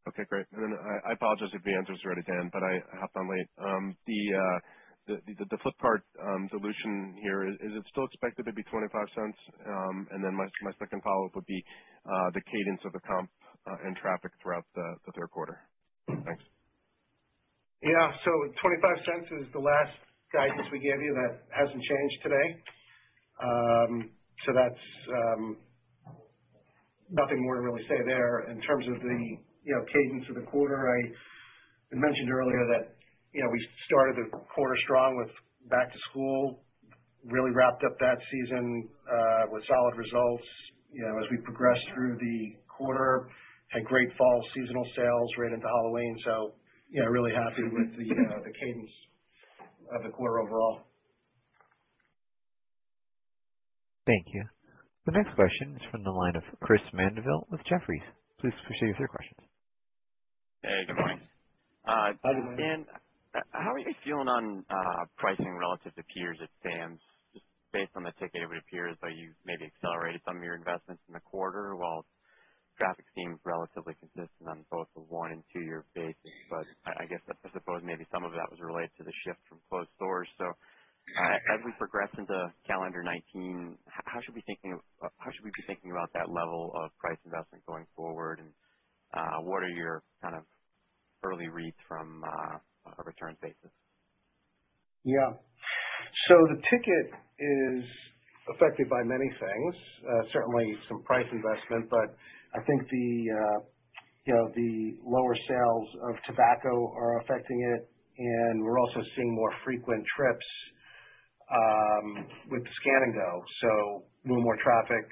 Okay, great. I apologize if the answer's already been, but I hopped on late. The Flipkart solution here, is it still expected to be $0.25? My second follow-up would be the cadence of the comp and traffic throughout the third quarter. Thanks. Yeah. $0.25 is the last guidance we gave you. That hasn't changed today. That's nothing more to really say there. In terms of the cadence of the quarter, I mentioned earlier that we started the quarter strong with back to school, really wrapped up that season with solid results as we progressed through the quarter. Had great fall seasonal sales right into Halloween. Really happy with the cadence of the quarter overall. The next question is from the line of Chris Mandeville with Jefferies. Hey, good morning? Hi. Dan, how are you feeling on pricing relative to peers at Sam's? Just based on the ticket, it would appear as though you've maybe accelerated some of your investments in the quarter. While traffic seems relatively consistent on both the one and two year basis. I suppose maybe some of that was related to the shift from closed stores. As we progress into calendar 2019, how should we be thinking about that level of price investment going forward? What are your kind of early reads from a return basis? Yeah. The ticket is affected by many things, certainly some price investment, but I think the lower sales of tobacco are affecting it. We're also seeing more frequent trips with the Scan & Go, so little more traffic,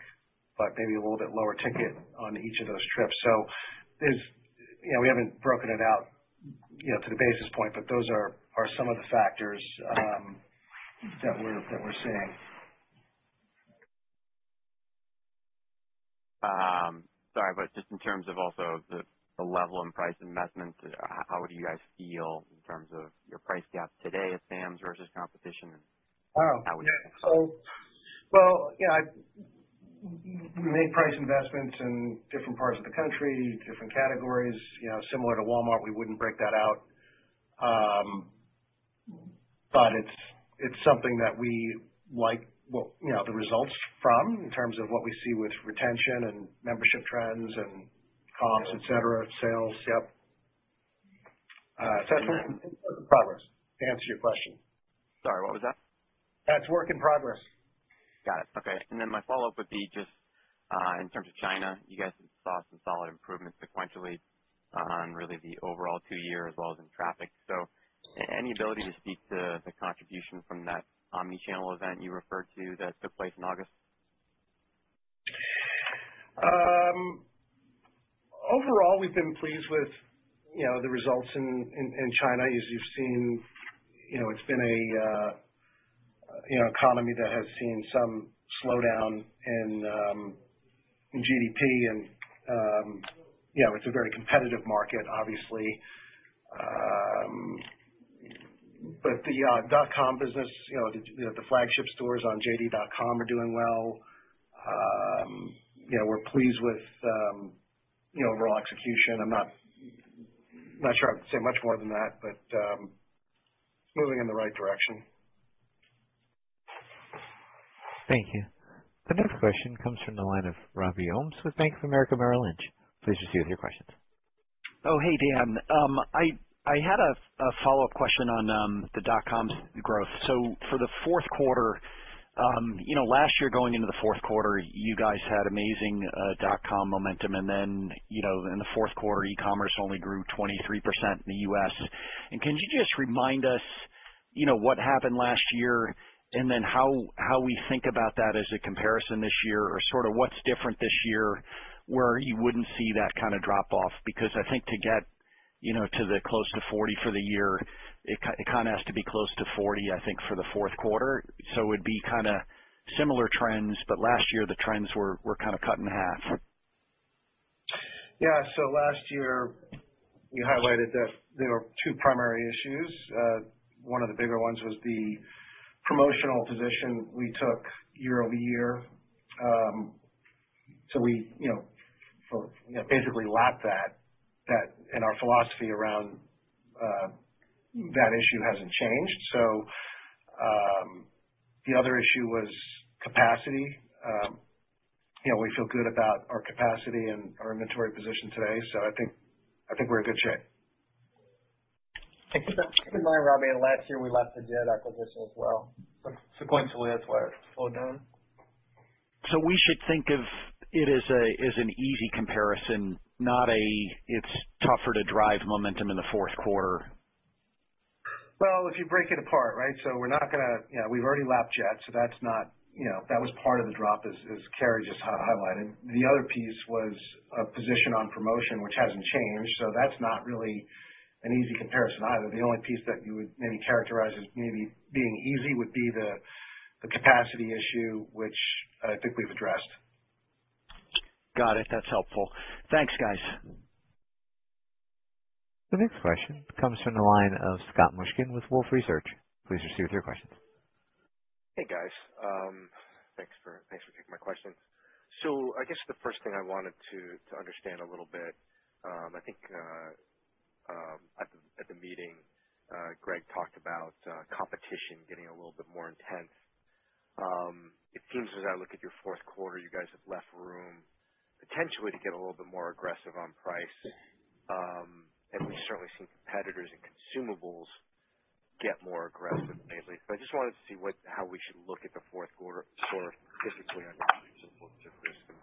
but maybe a little bit lower ticket on each of those trips. We haven't broken it out to the basis point. Those are some of the factors that we're seeing. Sorry, just in terms of also the level of price investment, how would you guys feel in terms of your price gap today at Sam's versus competition and how would you fix it? Well, we made price investments in different parts of the country, different categories similar to Walmart. We wouldn't break that out. It's something that we like the results from in terms of what we see with retention and membership trends and comps, et cetera, sales. Yep. That's a work in progress to answer your question. Sorry, what was that? That's work in progress. Got it. Okay. My follow-up would be just in terms of China, you guys have saw some solid improvements sequentially on really the overall two year as well as in traffic. Any ability to speak to the contribution from that omnichannel event you referred to that took place in August? Overall, we've been pleased with the results in China, as you've seen. It's been an economy that has seen some slowdown in GDP and it's a very competitive market, obviously. The dot com business, the flagship stores on JD.com are doing well. We're pleased with overall execution. I'm not sure I can say much more than that, it's moving in the right direction. The next question comes from the line of Robbie Ohmes with Bank of America Merrill Lynch. Hey, Dan. I had a follow-up question on the dot com's growth. For the fourth quarter. Last year, going into the fourth quarter, you guys had amazing dot com momentum. In the fourth quarter, e-commerce only grew 23% in the U.S. Can you just remind us what happened last year how we think about that as a comparison this year? What's different this year where you wouldn't see that kind of drop off? I think to get to the close to 40 for the year, it kind of has to be close to 40, I think, for the fourth quarter. It'd be kind of similar trends. Last year the trends were kind of cut in half. Last year we highlighted that there were two primary issues. One of the bigger ones was the promotional position we took year-over-year. We basically lapped that, and our philosophy around that issue hasn't changed. The other issue was capacity. We feel good about our capacity and our inventory position today. I think we're in good shape. Keep in mind, Robbie, last year we left the Jet.com acquisition as well. Sequentially, that's why it slowed down. We should think of it as an easy comparison, not it's tougher to drive momentum in the fourth quarter. Well, if you break it apart, right? We've already lapped Jet.com, that was part of the drop as Kary just highlighted. The other piece was a position on promotion, which hasn't changed. That's not really an easy comparison either. The only piece that you would maybe characterize as maybe being easy would be the capacity issue, which I think we've addressed. Got it. That's helpful. Thanks, guys. The next question comes from the line of Scott Mushkin with Wolfe Research. Hey, guys. Thanks for taking my question. I guess the first thing I wanted to understand a little bit, I think, at the meeting, Greg talked about competition getting a little bit more intense. It seems as I look at your fourth quarter, you guys have left room potentially to get a little bit more aggressive on price. We certainly see competitors in consumables get more aggressive lately. I just wanted to see how we should look at the fourth quarter, sort of physically under these circumstances,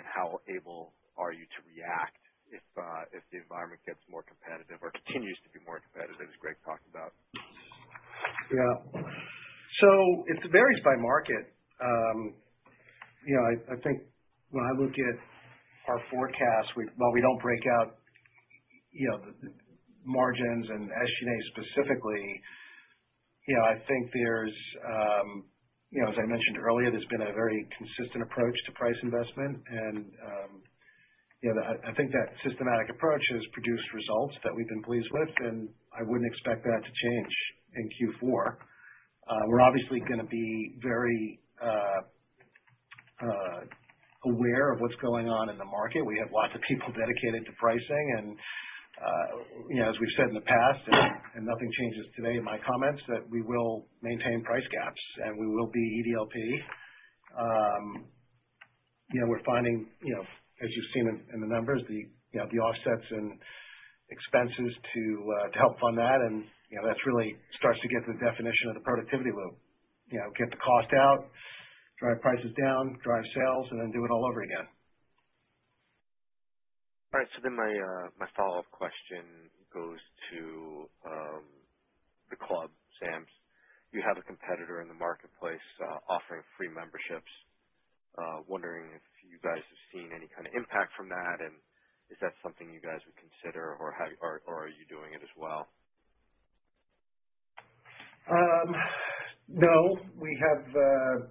and how able are you to react if the environment gets more competitive or continues to be more competitive, as Greg talked about? Yeah. It varies by market. I think when I look at our forecast, while we don't break out the margins and SG&A specifically, I think as I mentioned earlier, there's been a very consistent approach to price investment. I think that systematic approach has produced results that we've been pleased with, and I wouldn't expect that to change in Q4. We're obviously going to be very aware of what's going on in the market. We have lots of people dedicated to pricing, and as we've said in the past, nothing changes today in my comments, that we will maintain price gaps and we will be EDLP. We're finding, as you've seen in the numbers, the offsets and expenses to help fund that. That really starts to get the definition of the productivity loop. Get the cost out, drive prices down, drive sales, and then do it all over again. All right. My follow-up question goes to the club, Sam's. You have a competitor in the marketplace offering free memberships. Wondering if you guys have seen any kind of impact from that, and is that something you guys would consider, or are you doing it as well? No. We haven't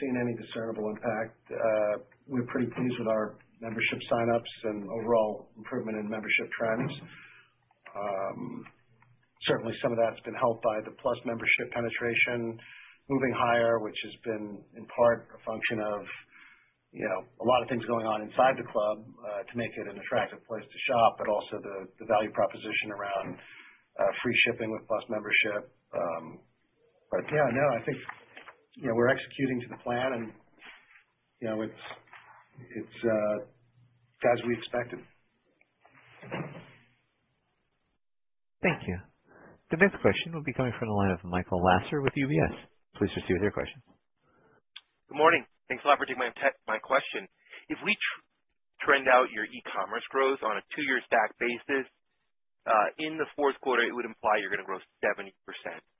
seen any discernible impact. We're pretty pleased with our membership sign-ups and overall improvement in membership trends. Certainly, some of that's been helped by the Plus membership penetration moving higher, which has been in part a function of a lot of things going on inside the club, to make it an attractive place to shop, but also the value proposition around free shipping with Plus membership. Yeah, no, I think, we're executing to the plan and it's as we expected. The next question will be coming from the line of Michael Lasser with UBS. Good morning. Thanks a lot for taking my question. If we trend out your e-commerce growth on a two-year stack basis, in the fourth quarter, it would imply you're going to grow 70%.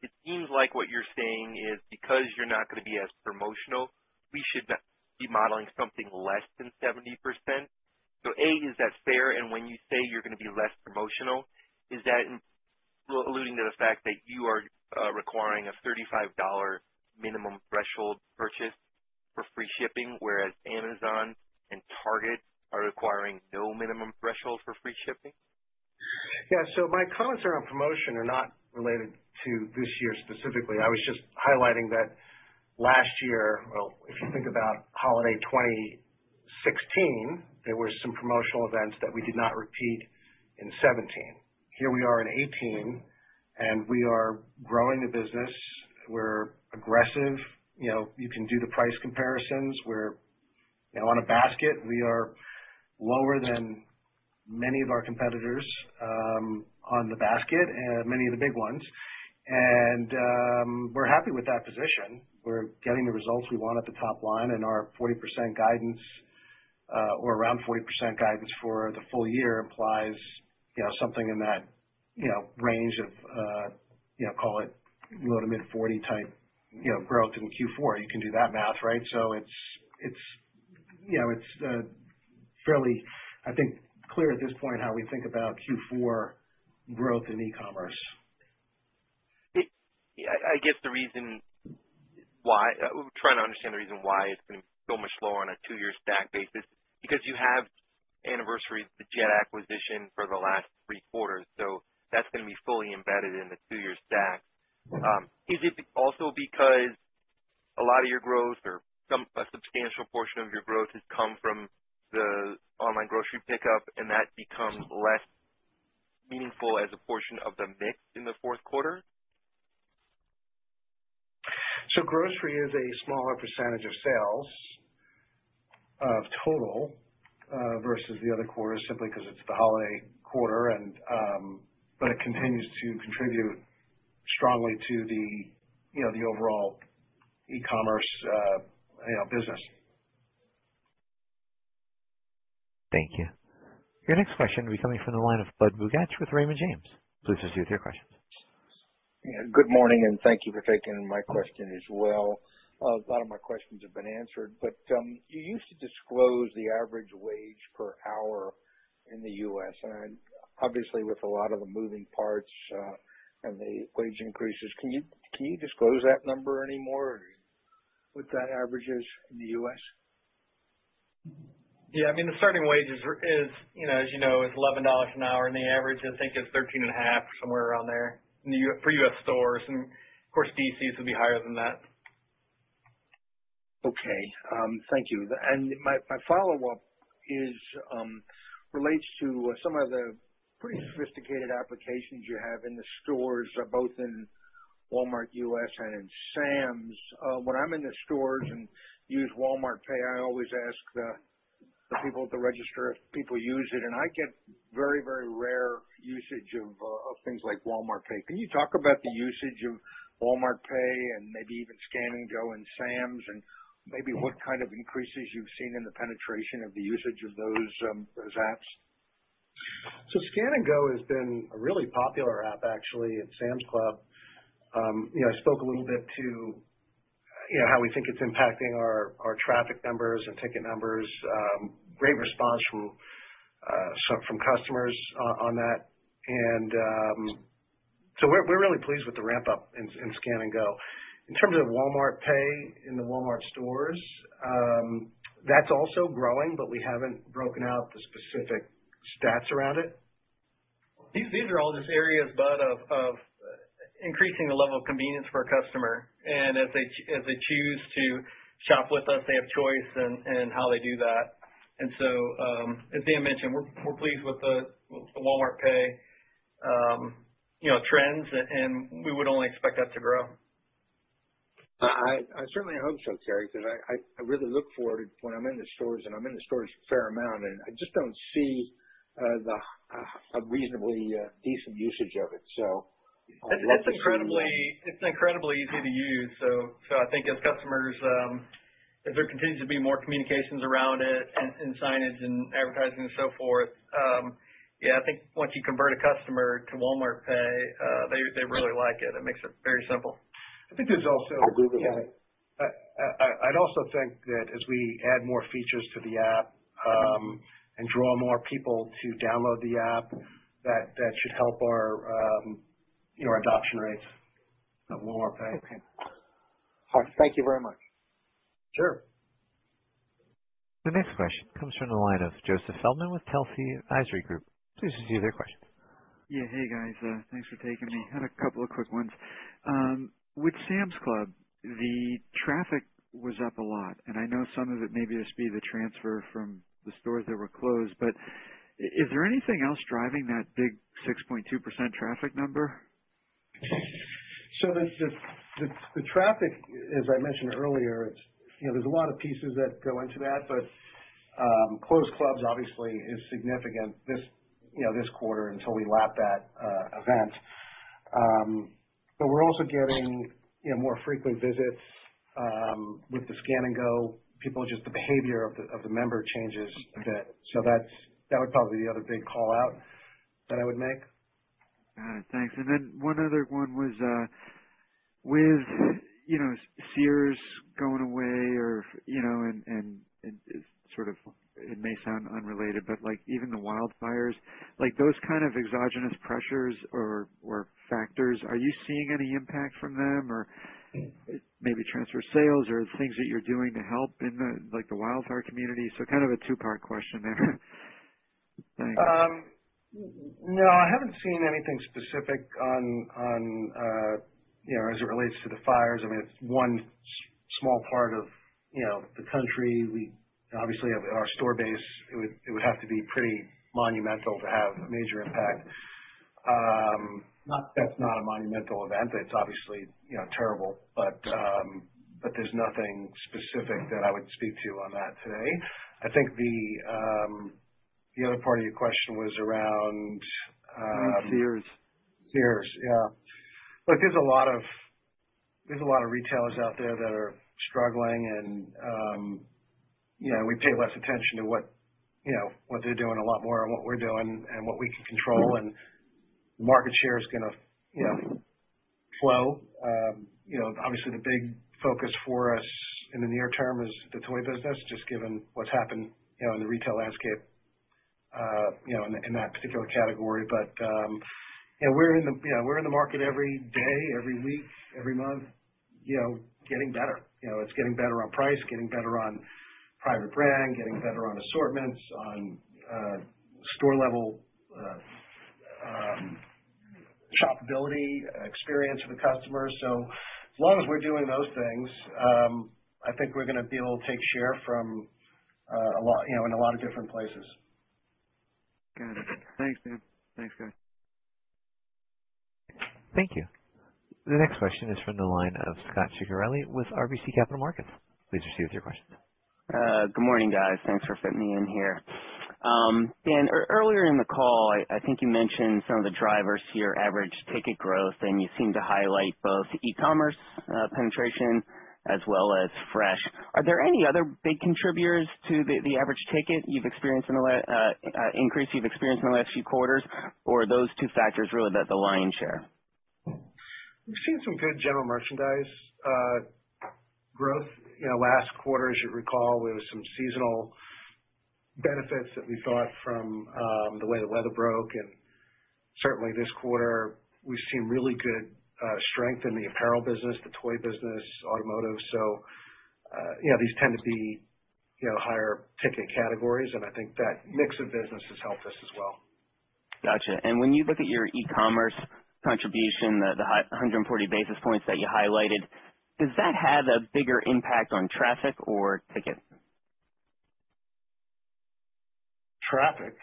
It seems like what you're saying is because you're not going to be as promotional, we should be modeling something less than 70%. A, is that fair? When you say you're going to be less promotional, is that alluding to the fact that you are requiring a $35 minimum threshold purchase for free shipping, whereas Amazon and Target are requiring no minimum threshold for free shipping? Yeah. My comments around promotion are not related to this year specifically. I was just highlighting that last year, well, if you think about holiday 2016, there were some promotional events that we did not repeat in 2017. Here we are in 2018, we are growing the business. We're aggressive. You can do the price comparisons. On a basket, we are lower than many of our competitors on the basket, many of the big ones. We're happy with that position. We're getting the results we want at the top line and our 40% guidance, or around 40% guidance for the full year implies something in that range of, call it low to mid 40 type growth in Q4. You can do that math, right? It's fairly, I think, clear at this point how we think about Q4 growth in e-commerce. I'm trying to understand the reason why it's been so much slower on a two-year stack basis because you have anniversaries, the Jet.com acquisition for the last three quarters, that's going to be fully embedded in the two-year stack. Is it also because a lot of your growth or a substantial portion of your growth has come from the online grocery pickup and that becomes less meaningful as a portion of the mix in the fourth quarter? Grocery is a smaller percentage of sales of total, versus the other quarters, simply because it's the holiday quarter. It continues to contribute strongly to the overall e-commerce business. Your next question will be coming from the line of Budd Bugatch with Raymond James. Good morning. Thank you for taking my question as well. A lot of my questions have been answered, but you used to disclose the average wage per hour in the U.S., and obviously with a lot of the moving parts and the wage increases, can you disclose that number anymore, what that average is in the U.S.? Yeah. The starting wage is, as you know, is $11 an hour. The average, I think, is 13 and a half, somewhere around there for U.S. stores. Of course, D.C.'s would be higher than that. Okay. Thank you. My follow-up relates to some of the pretty sophisticated applications you have in the stores, both in Walmart U.S. and in Sam's. When I'm in the stores and use Walmart Pay, I always ask the people at the register if people use it, and I get very rare usage of things like Walmart Pay. Can you talk about the usage of Walmart Pay and maybe even Scan & Go in Sam's and maybe what kind of increases you've seen in the penetration of the usage of those apps? Scan & Go has been a really popular app actually in Sam's Club. I spoke a little bit to how we think it's impacting our traffic numbers and ticket numbers. Great response from customers on that. We're really pleased with the ramp-up in Scan & Go. In terms of Walmart Pay in the Walmart stores, that's also growing, but we haven't broken out the specific stats around it. These are all just areas, Budd, of increasing the level of convenience for a customer. As they choose to shop with us, they have choice in how they do that. As Dan mentioned, we're pleased with the Walmart Pay trends, and we would only expect that to grow. I certainly hope so, Kary, because I really look for it when I'm in the stores, I'm in the stores a fair amount, I just don't see a reasonably decent usage of it, I would love to see more. It's incredibly easy to use. I think as there continues to be more communications around it signage advertising and so forth, I think once you convert a customer to Walmart Pay, they really like it. It makes it very simple. I'd also think that as we add more features to the app and draw more people to download the app, that should help our adoption rates of Walmart Pay. Okay. All right. Thank you very much. Sure. The next question comes from the line of Joseph Feldman with Telsey Advisory Group. Hey, guys. Thanks for taking me. Had a couple of quick ones. With Sam's Club, the traffic was up a lot, and I know some of it may just be the transfer from the stores that were closed, but is there anything else driving that big 6.2% traffic number? The traffic, as I mentioned earlier, there's a lot of pieces that go into that. Closed clubs obviously is significant this quarter until we lap that event. We're also getting more frequent visits with the Scan & Go. People, just the behavior of the member changes a bit. That would probably be the other big call-out that I would make. Got it. Thanks. One other one was with Sears going away and it may sound unrelated, but even the wildfires, those kind of exogenous pressures or factors, are you seeing any impact from them? Or maybe transfer sales or things that you're doing to help in the wildfire community? Kind of a two-part question there. Thanks. No, I haven't seen anything specific as it relates to the fires. It's one small part of the country. Obviously, our store base, it would have to be pretty monumental to have a major impact. That's not a monumental event. It's obviously terrible, but there's nothing specific that I would speak to on that today. I think the other part of your question was around- Sears. Sears. Yeah. Look, there's a lot of retailers out there that are struggling, we pay less attention to what they're doing, a lot more on what we're doing and what we can control, market share is going to flow. Obviously, the big focus for us in the near term is the toy business, just given what's happened in the retail landscape. In that particular category. We're in the market every day, every week, every month, getting better. It's getting better on price, getting better on private brand, getting better on assortments, on store level, shopability, experience of the customer. As long as we're doing those things, I think we're going to be able to take share from a lot, in a lot of different places. Got it. Thanks, Dan. Thanks, guys. The next question is from the line of Scot Ciccarelli with RBC Capital Markets. Good morning, guys. Thanks for fitting me in here. Dan, earlier in the call, I think you mentioned some of the drivers to your average ticket growth, and you seemed to highlight both e-commerce penetration as well as fresh. Are there any other big contributors to the average ticket increase you've experienced in the last few quarters, or are those two factors really the lion's share? We've seen some good general merchandise growth. Last quarter, as you recall, there was some seasonal benefits that we got from the way the weather broke, and certainly this quarter, we've seen really good strength in the apparel business, the toy business, automotive. These tend to be higher ticket categories, and I think that mix of business has helped us as well. Got you. When you look at your e-commerce contribution, the 140 basis points that you highlighted, does that have a bigger impact on traffic or ticket? Traffic,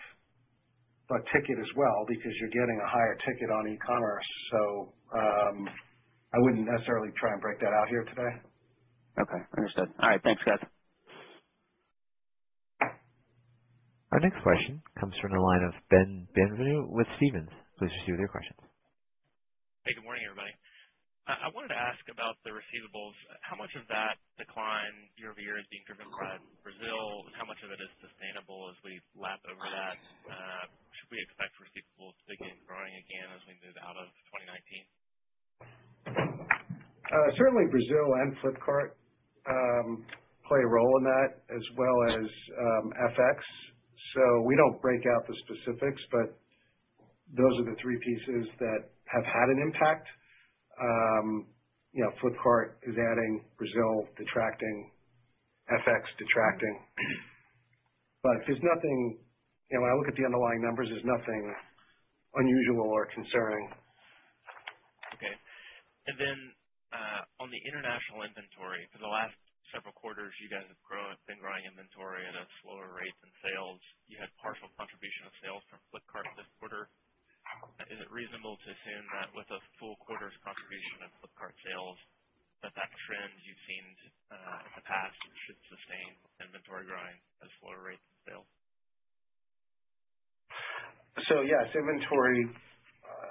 ticket as well, because you're getting a higher ticket on e-commerce. I wouldn't necessarily try and break that out here today. Okay, understood. All right. Thanks, guys. Our next question comes from the line of Ben Bienvenu with Stephens. Hey, good morning, everybody. I wanted to ask about the receivables. How much of that decline year-over-year is being driven by Brazil, and how much of it is sustainable as we lap over that? Should we expect receivables to begin growing again as we move out of 2019? Certainly Brazil and Flipkart play a role in that as well as FX. We don't break out the specifics, but those are the three pieces that have had an impact. Flipkart is adding, Brazil detracting, FX detracting. When I look at the underlying numbers, there's nothing unusual or concerning. Okay. On the international inventory, for the last several quarters, you guys have been growing inventory at a slower rate than sales. You had partial contribution of sales from Flipkart this quarter. Is it reasonable to assume that with a full quarter's contribution of Flipkart sales, that trend you've seen in the past should sustain inventory growing at a slower rate than sales? Yes, inventory,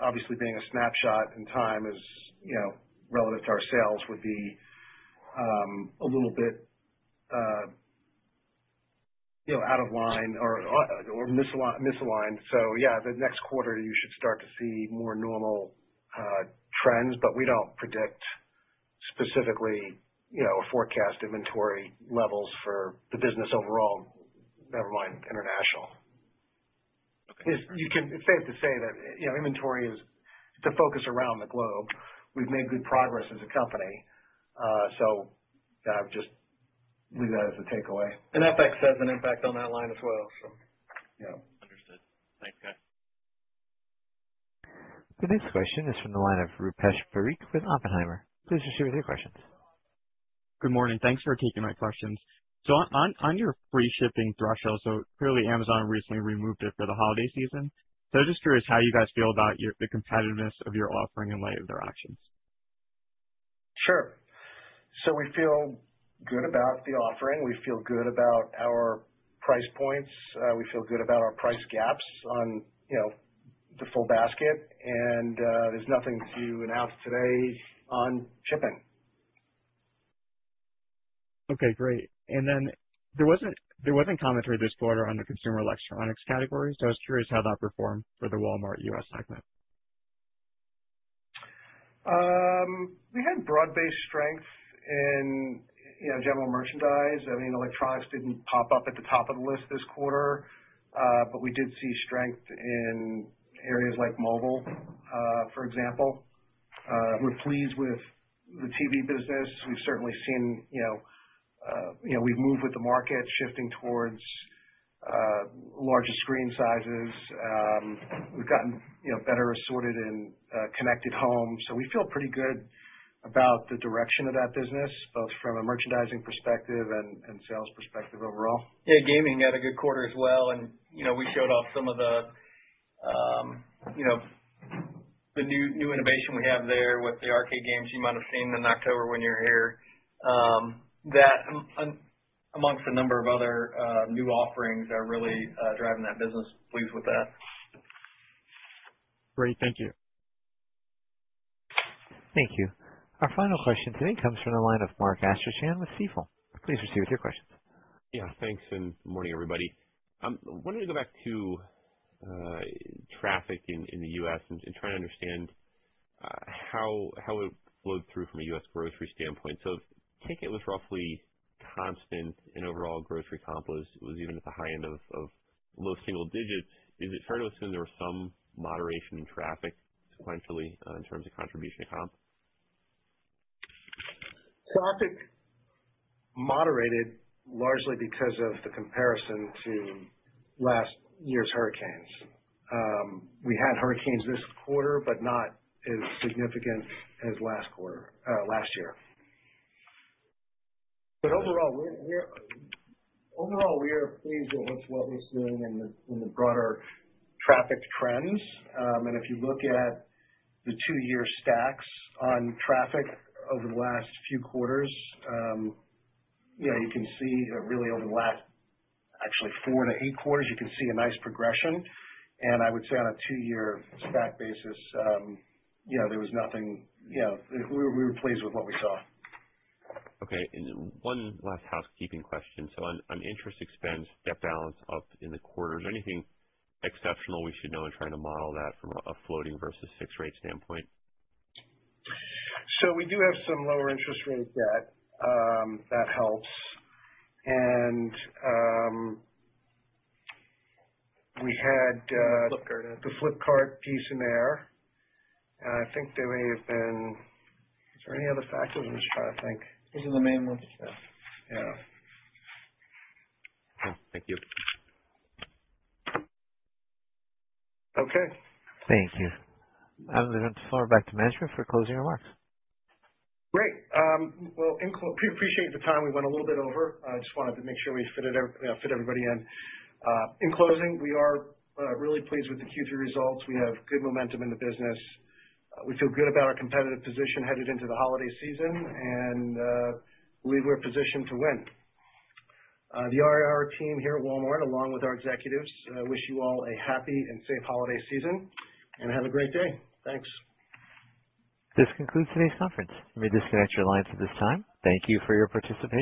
obviously being a snapshot in time, relative to our sales, would be a little bit out of line or misaligned. Yeah, the next quarter, you should start to see more normal trends, but we don't predict specifically or forecast inventory levels for the business overall, never mind international. It's safe to say that inventory is the focus around the globe. We've made good progress as a company. I would just leave that as the takeaway. FX has an impact on that line as well. Understood. Thanks, guys. The next question is from the line of Rupesh Parikh with Oppenheimer. Good morning. Thanks for taking my questions. On your free shipping threshold, clearly Amazon recently removed it for the holiday season. I'm just curious how you guys feel about the competitiveness of your offering in light of their actions. Sure. We feel good about the offering. We feel good about our price points. We feel good about our price gaps on the full basket, and there's nothing to announce today on shipping. Okay, great. There wasn't commentary this quarter on the consumer electronics category, so I was curious how that performed for the Walmart U.S. segment. We had broad-based strength in general merchandise. Electronics didn't pop up at the top of the list this quarter. We did see strength in areas like mobile, for example. We're pleased with the TV business. We've moved with the market shifting towards larger screen sizes. We've gotten better assorted in connected homes. We feel pretty good about the direction of that business, both from a merchandising perspective and sales perspective overall. Yeah, gaming had a good quarter as well and we showed off some of the new innovation we have there with the arcade games you might have seen in October when you were here. That amongst a number of other new offerings are really driving that business. Pleased with that. Great. Thank you. Our final question today comes from the line of Mark Astrachan with Stifel. Thanks, and good morning, everybody. I wanted to go back to traffic in the U.S. and try and understand how it flowed through from a U.S. grocery standpoint. If ticket was roughly constant and overall grocery comp was even at the high end of low single digits, is it fair to assume there was some moderation in traffic sequentially in terms of contribution comp? Traffic moderated largely because of the comparison to last year's hurricanes. We had hurricanes this quarter, but not as significant as last year. Overall, we are pleased with what we're seeing in the broader traffic trends. If you look at the two-year stacks on traffic over the last few quarters, you can see that really over the last actually four to eight quarters, you can see a nice progression. I would say on a two-year stack basis, we were pleased with what we saw. One last housekeeping question. On interest expense, debt balance up in the quarter. Is there anything exceptional we should know in trying to model that from a floating versus fixed rate standpoint? We do have some lower interest rate debt. That helps. Flipkart We had the Flipkart piece in there. Is there any other factors? I'm trying to think. Those are the main ones. Yeah. Okay. Thank you. Okay. Thank you. I'll turn the floor back to management for closing remarks. Great. Well, appreciate the time. We went a little bit over. I just wanted to make sure we fit everybody in. In closing, we are really pleased with the Q3 results. We have good momentum in the business. We feel good about our competitive position headed into the holiday season, and believe we're positioned to win. The IR team here at Walmart, along with our executives, wish you all a happy and safe holiday season, and have a great day. Thanks. This concludes today's conference. You may disconnect your lines at this time. Thank you for your participation.